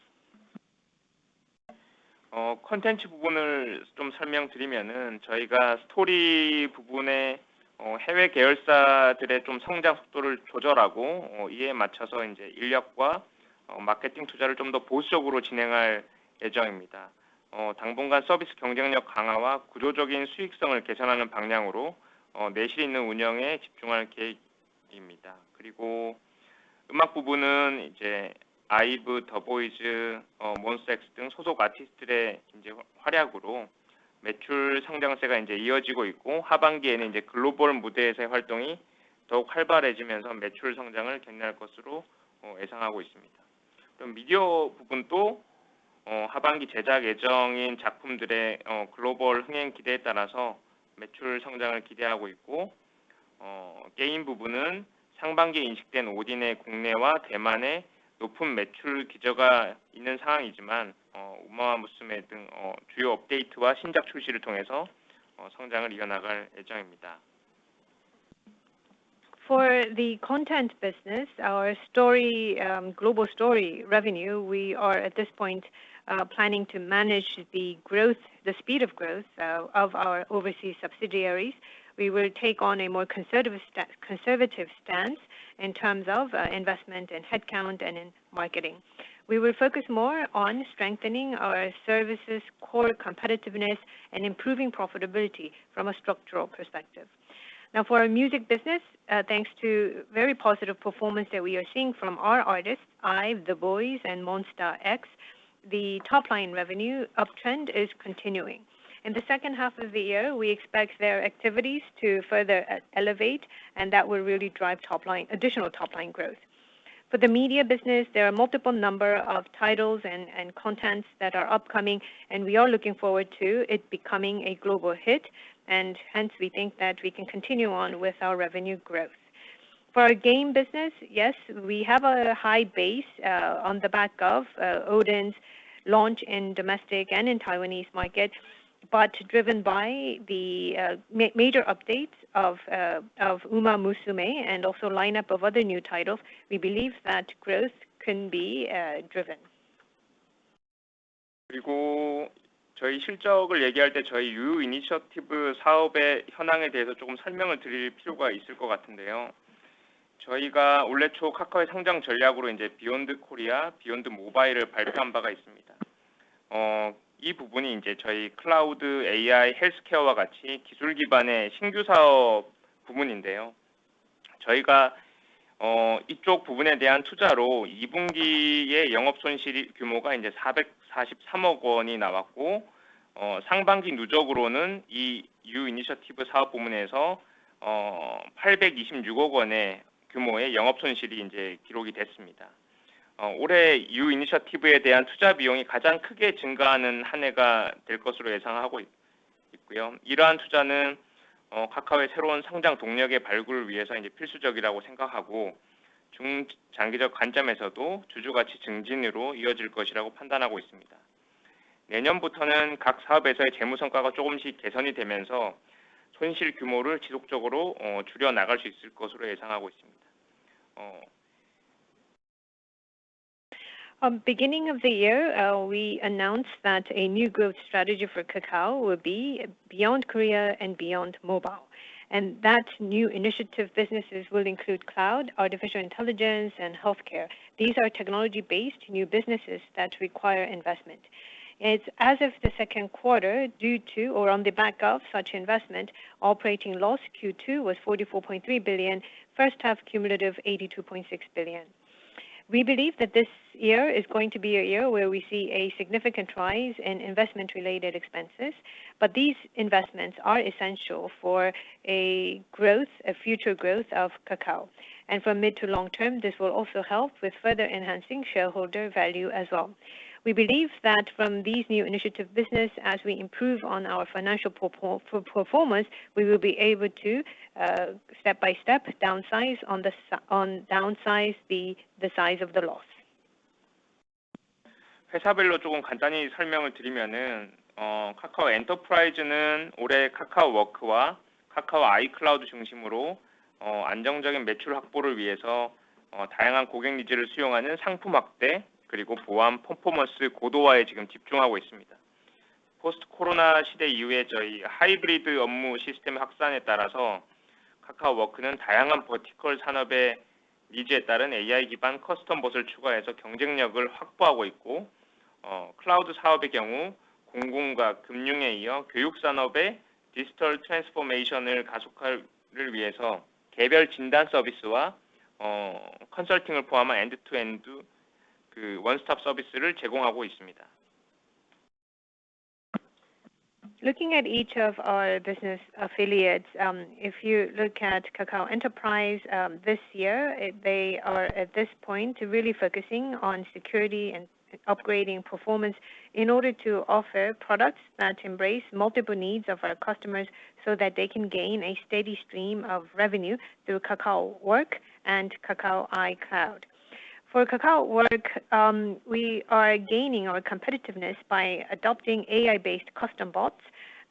For the content business, our story, global story revenue, we are at this point, planning to manage the growth, the speed of growth, of our overseas subsidiaries. We will take on a more conservative stance in terms of, investment in headcount and in marketing. We will focus more on strengthening our services' core competitiveness and improving profitability from a structural perspective. Now, for our music business, thanks to very positive performance that we are seeing from our artists, IVE, THE BOYZ and Monsta X, the top line revenue uptrend is continuing. In the 2nd half of the year, we expect their activities to further elevate, and that will really drive top line additional top line growth. For the media business, there are multiple number of titles and contents that are upcoming, and we are looking forward to it becoming a global hit. Hence we think that we can continue on with our revenue growth. For our game business, yes, we have a high base, on the back of, Odin's launch in domestic and in Taiwanese market, but driven by the major updates of Umamusume and also lineup of other new titles, we believe that growth can be driven. Beginning of the year, we announced that a new growth strategy for Kakao will be beyond Korea and beyond mobile. That new initiative businesses will include cloud, artificial intelligence, and healthcare. These are technology-based new businesses that require investment. It's, as of the 2nd quarter, due to or on the back of such investment, operating loss Q2 was KRW 44.3 billion, 1st half cumulative KRW 82.6 billion. We believe that this year is going to be a year where we see a significant rise in investment-related expenses, but these investments are essential for a growth, a future growth of Kakao. For mid to long term, this will also help with further enhancing shareholder value as well. We believe that from these new initiative business, as we improve on our financial performance, we will be able to step by step downsize on the size of the loss. Looking at each of our business affiliates, if you look at Kakao Enterprise, this year, they are at this point really focusing on security and upgrading performance in order to offer products that embrace multiple needs of our customers so that they can gain a steady stream of revenue through Kakao Work and Kakao i Cloud. For Kakao Work, we are gaining our competitiveness by adopting AI-based custom bots.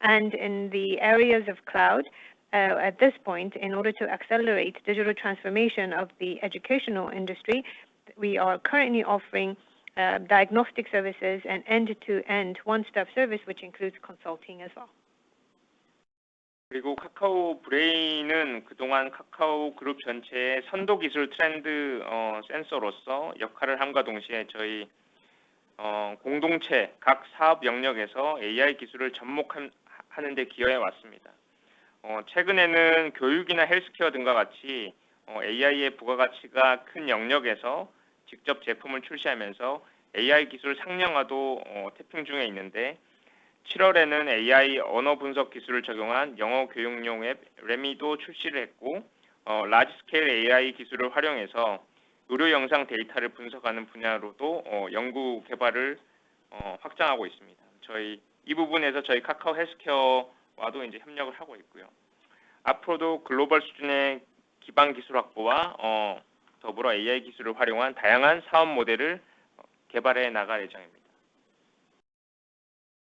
In the areas of cloud, at this point, in order to accelerate digital transformation of the educational industry, we are currently offering diagnostic services and end-to-end one-stop service, which includes consulting as well.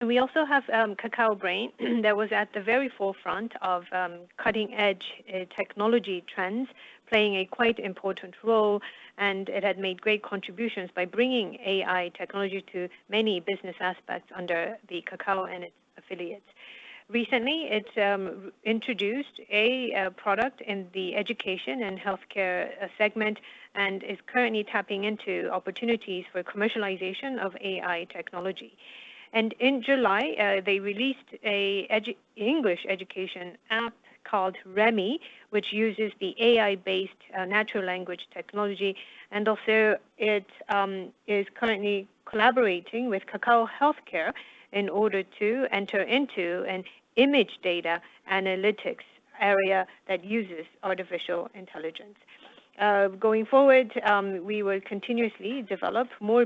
We also have Kakao Brain that was at the very forefront of cutting-edge technology trends, playing a quite important role, and it had made great contributions by bringing AI technology to many business aspects under the Kakao and its affiliates. Recently, it introduced a product in the education and healthcare segment, and is currently tapping into opportunities for commercialization of AI technology. In July, they released an English education app called Remy, which uses the AI-based natural language technology, and also it is currently collaborating with Kakao Healthcare in order to enter into an image data analytics area that uses artificial intelligence. Going forward, we will continuously develop more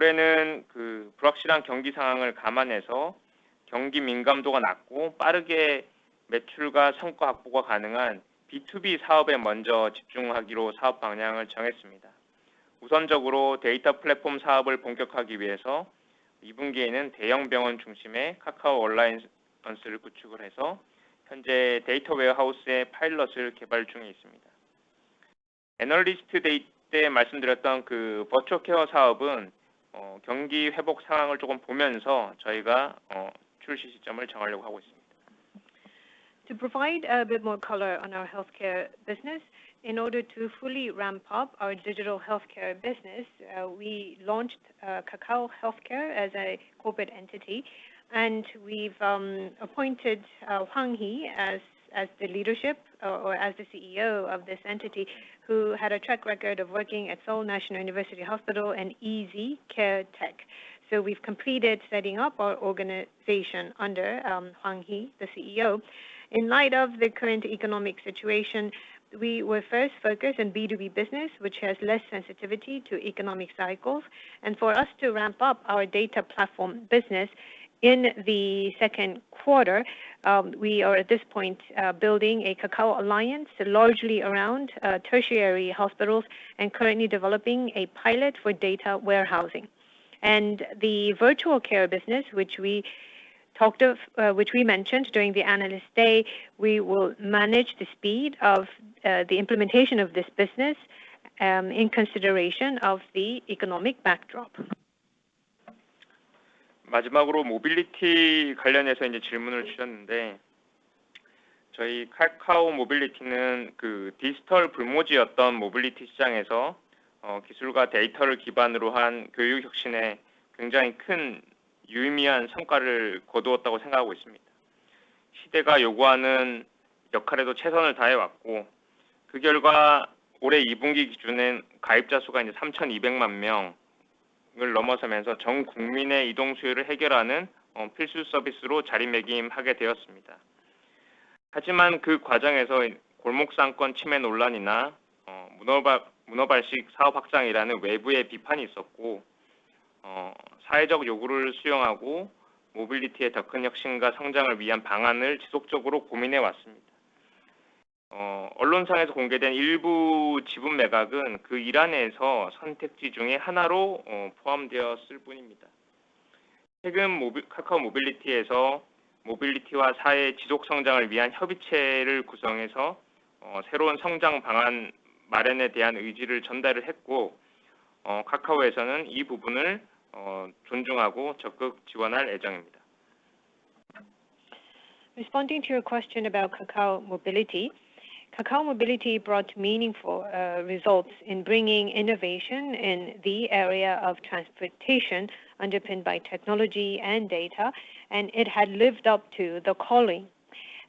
business models that incorporate AI as a technology. To provide a bit more color on our healthcare business, in order to fully ramp up our digital healthcare business, we launched Kakao Healthcare as a corporate entity, and we've appointed Hwang Hee as the CEO of this entity, who had a track record of working at Seoul National University Hospital and ezCaretech. Kakao i Cloud We've completed setting up our organization under Hwang Hee, the CEO. In light of the current economic situation, we were 1st focused in B2B business, which has less sensitivity to economic cycles. For us to ramp up our data platform business. In the 2nd quarter, we are at this point building a Kakao alliance largely around tertiary hospitals and currently developing a pilot for data warehousing. The virtual care business, which we talked of, which we mentioned during the Analyst Day, we will manage the speed of the implementation of this business in consideration of the economic backdrop. 마지막으로 모빌리티 관련해서 질문을 주셨는데, 저희 Kakao Mobility는 디지털 불모지였던 모빌리티 시장에서 기술과 데이터를 기반으로 한 교통 혁신의 굉장히 큰 유의미한 성과를 거두었다고 생각하고 있습니다. 시대가 요구하는 역할에도 최선을 다해왔고, 그 결과 올해 이 분기 기준에는 가입자 수가 3,200만 명을 넘어서면서 전 국민의 이동 수요를 해결하는 필수 서비스로 자리매김하게 되었습니다. 하지만 그 과정에서 골목상권 침해 논란이나 문어발식 사업 확장이라는 외부의 비판이 있었고, 사회적 요구를 수용하고 모빌리티의 더큰 혁신과 성장을 위한 방안을 지속적으로 고민해 왔습니다. 언론사에서 공개된 일부 지분 매각은 그 일환에서 선택지 중에 하나로 포함되었을 뿐입니다. 최근 Kakao Mobility에서 모빌리티와 사회의 지속 성장을 위한 협의체를 구성해서 새로운 성장 방안 마련에 대한 의지를 전달했고, Kakao에서는 이 부분을 존중하고 적극 지원할 예정입니다. Responding to your question about Kakao Mobility. Kakao Mobility brought meaningful results in bringing innovation in the area of transportation, underpinned by technology and data, and it had lived up to the calling.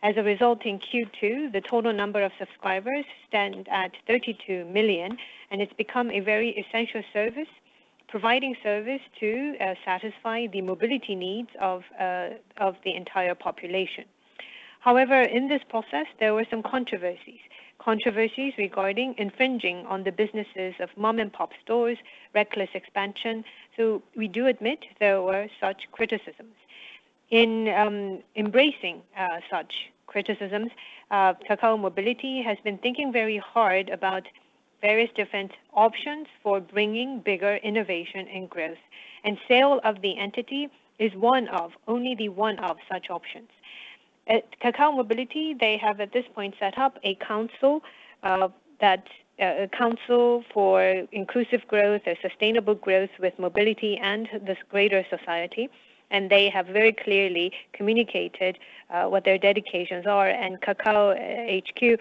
As a result, in Q2, the total number of subscribers stand at 32 million, and it's become a very essential service, providing service to satisfy the mobility needs of the entire population. However, in this process, there were some controversies regarding infringing on the businesses of mom-and-pop stores, reckless expansion. We do admit there were such criticisms. In embracing such criticisms, Kakao Mobility has been thinking very hard about various different options for bringing bigger innovation and growth. Sale of the entity is one of such options. At Kakao Mobility, they have, at this point, set up a council for inclusive growth or sustainable growth with mobility and the greater society. They have very clearly communicated what their dedications are, and Kakao HQ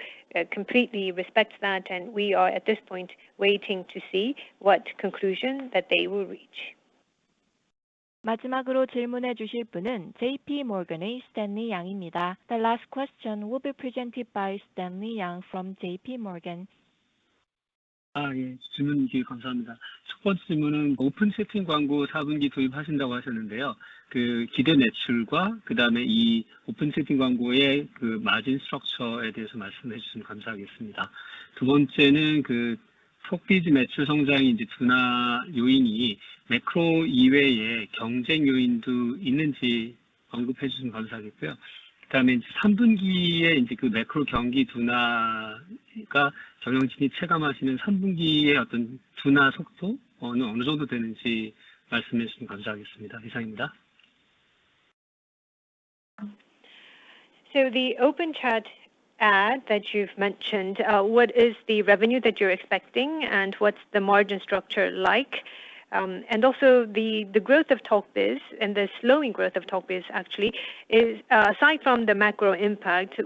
completely respects that, and we are, at this point, waiting to see what conclusion that they will reach. 마지막으로 질문해 주실 분은 J.P. Morgan의 Stanley Yang입니다. The last question will be presented by Stanley Yang from J.P. Morgan. 예, 질문 기회 감사합니다. 첫 번째 질문은 Open Chatting 광고 사분기 도입하신다고 하셨는데요. 그 기대 매출과 그다음에 이 Open Chatting 광고의 margin structure에 대해서 말씀해 주시면 감사하겠습니다. 두 번째는 TalkBiz 매출 성장이 둔화 요인이 매크로 이외에 경쟁 요인도 있는지 언급해 주시면 감사하겠고요. 그다음에 삼분기에 이제 그 매크로 경기 둔화가 경영진이 체감하시는 삼분기의 어떤 둔화 속도는 어느 정도 되는지 말씀해 주시면 감사하겠습니다. 이상입니다. The Open Chat ad that you've mentioned, what is the revenue that you're expecting and what's the margin structure like? Also the growth of TalkBiz and the slowing growth of TalkBiz actually is, aside from the macro impact,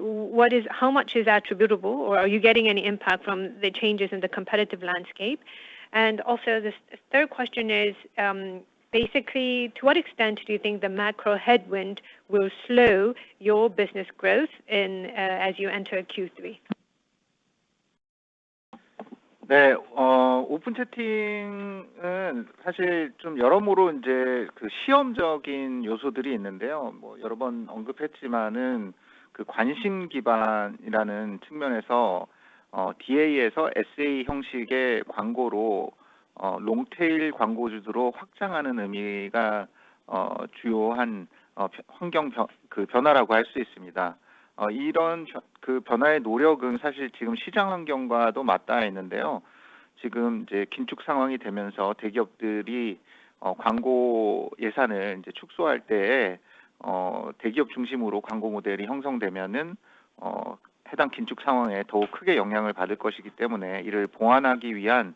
how much is attributable or are you getting any impact from the changes in the competitive landscape? The 3rd question is, basically to what extent do you think the macro headwind will slow your business growth in, as you enter Q3? Open Chatting은 사실 좀 여러모로 이제 시험적인 요소들이 있는데요. 여러 번 언급했지만 그 관심 기반이라는 측면에서 DA에서 SA 형식의 광고로 롱테일 광고 주도로 확장하는 의미가 주요한 환경 변화라고 할수 있습니다. 이런 변화의 노력은 사실 지금 시장 환경과도 맞닿아 있는데요. 지금 이제 긴축 상황이 되면서 대기업들이 광고 예산을 축소할 때에 대기업 중심으로 광고 모델이 형성되면 해당 긴축 상황에 더욱 크게 영향을 받을 것이기 때문에 이를 보완하기 위한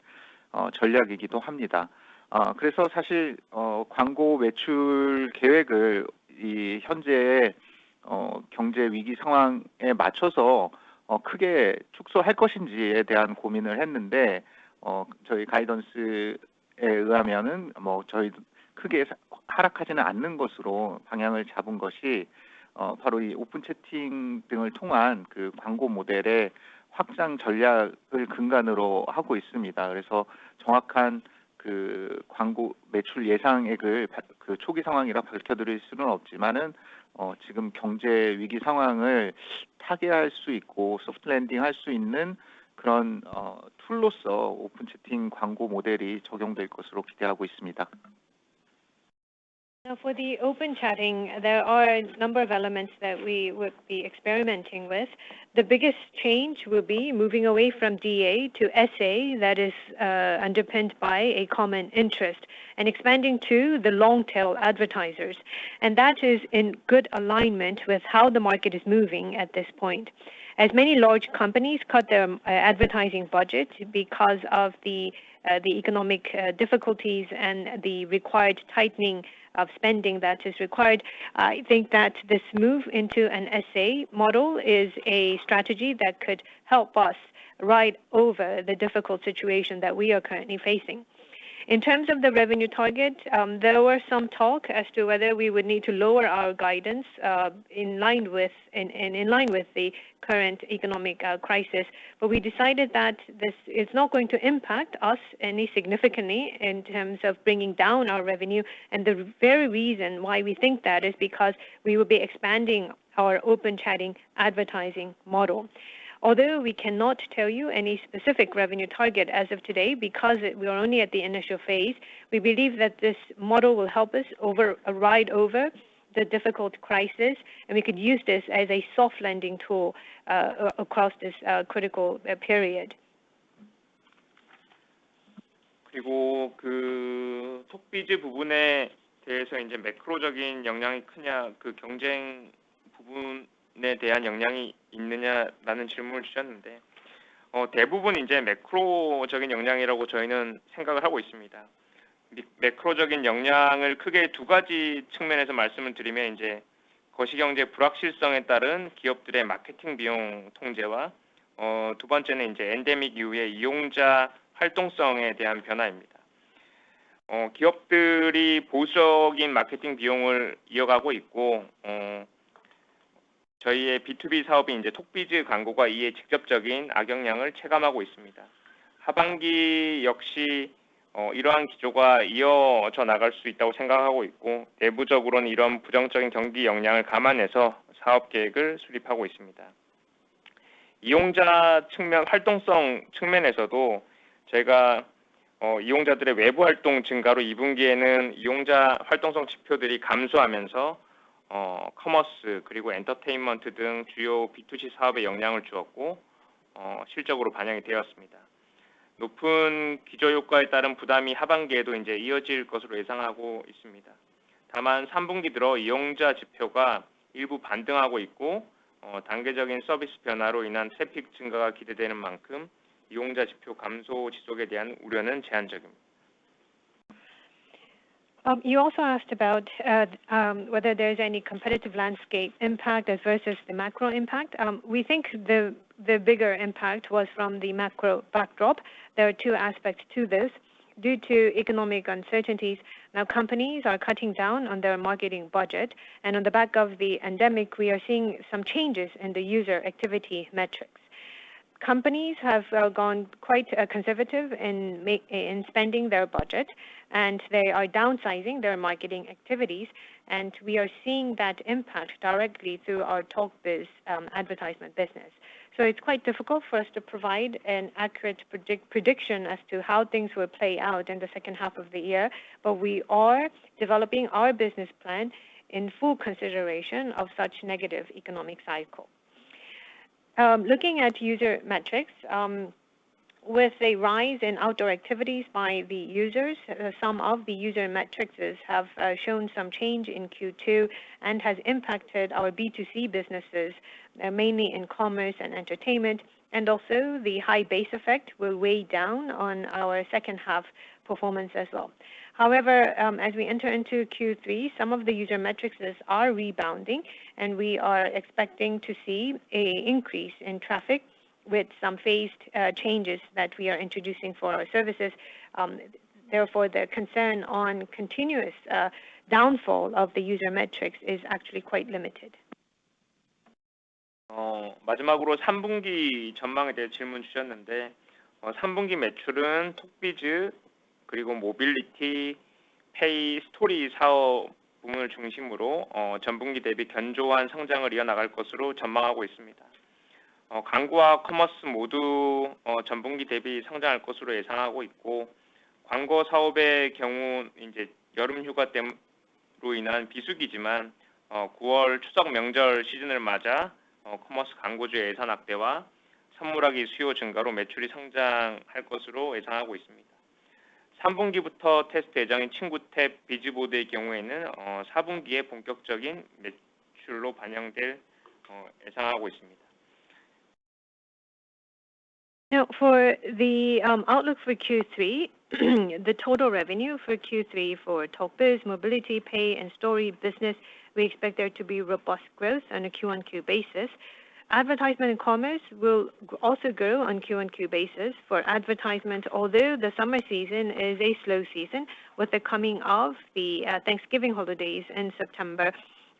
전략이기도 합니다. 그래서 사실 광고 매출 계획을 이 현재의 경제 위기 상황에 맞춰서 크게 축소할 것인지에 대한 고민을 했는데, 저희 가이던스에 의하면 저희도 크게 하락하지는 않는 것으로 방향을 잡은 것이 바로 이 Open Chatting 등을 통한 광고 모델의 확장 전략을 근간으로 하고 있습니다. 그래서 정확한 광고 매출 예상액을 초기 상황이라 밝혀드릴 수는 없지만, 지금 경제 위기 상황을 타개할 수 있고 소프트랜딩 할수 있는 그런 툴로서 Open Chatting 광고 모델이 적용될 것으로 기대하고 있습니다. Now for the open chatting, there are a number of elements that we would be experimenting with. The biggest change will be moving away from DA to SA that is, underpinned by a common interest and expanding to the long tail advertisers. That is in good alignment with how the market is moving at this point. As many large companies cut their advertising budget because of the economic difficulties and the required tightening of spending that is required, I think that this move into an SA model is a strategy that could help us ride over the difficult situation that we are currently facing. In terms of the revenue target, there were some talk as to whether we would need to lower our guidance in line with the current economic crisis. We decided that this is not going to impact us any significantly in terms of bringing down our revenue, and the very reason why we think that is because we will be expanding our Open Chat advertising model. Although we cannot tell you any specific revenue target as of today because we are only at the initial phase, we believe that this model will help us override the difficult crisis, and we could use this as a soft landing tool across this critical period. You also asked about whether there's any competitive landscape impact as versus the macro impact. We think the bigger impact was from the macro backdrop. There are two aspects to this. Due to economic uncertainties, now companies are cutting down on their marketing budget. On the back of the pandemic, we are seeing some changes in the user activity metrics. Companies have gone quite conservative in spending their budget, and they are downsizing their marketing activities, and we are seeing that impact directly through our TalkBiz advertisement business. It's quite difficult for us to provide an accurate prediction as to how things will play out in the 2nd half of the year, but we are developing our business plan in full consideration of such negative economic cycle. Looking at user metrics, with a rise in outdoor activities by the users, some of the user metrics have shown some change in Q2 and has impacted our B2C businesses, mainly in commerce and entertainment, and also the high base effect will weigh down on our 2nd half performance as well. However, as we enter into Q3, some of the user metrics are rebounding, and we are expecting to see a increase in traffic with some phased, changes that we are introducing for our services. Therefore, the concern on continuous, downfall of the user metrics is actually quite limited. Now for the, outlook for Q3, the total revenue for Q3 for TalkBiz, Mobility, Pay and Story business, we expect there to be robust growth on a QoQ basis. Advertisement and commerce will also grow on QoQ basis. For advertisement, although the summer season is a slow season, with the coming of the, Thanksgiving holidays in September,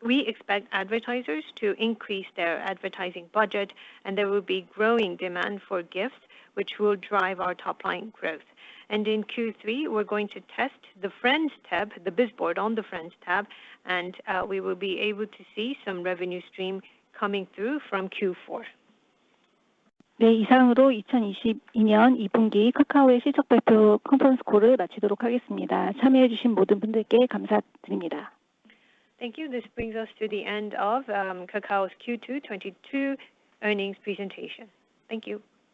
we expect advertisers to increase their advertising budget, and there will be growing demand for gift, which will drive our top line growth. In Q3, we're going to test the Friends Tab, the Bizboard on the Friends Tab, and we will be able to see some revenue stream coming through from Q4. Thank you. This brings us to the end of Kakao's Q2 2022 earnings presentation. Thank you.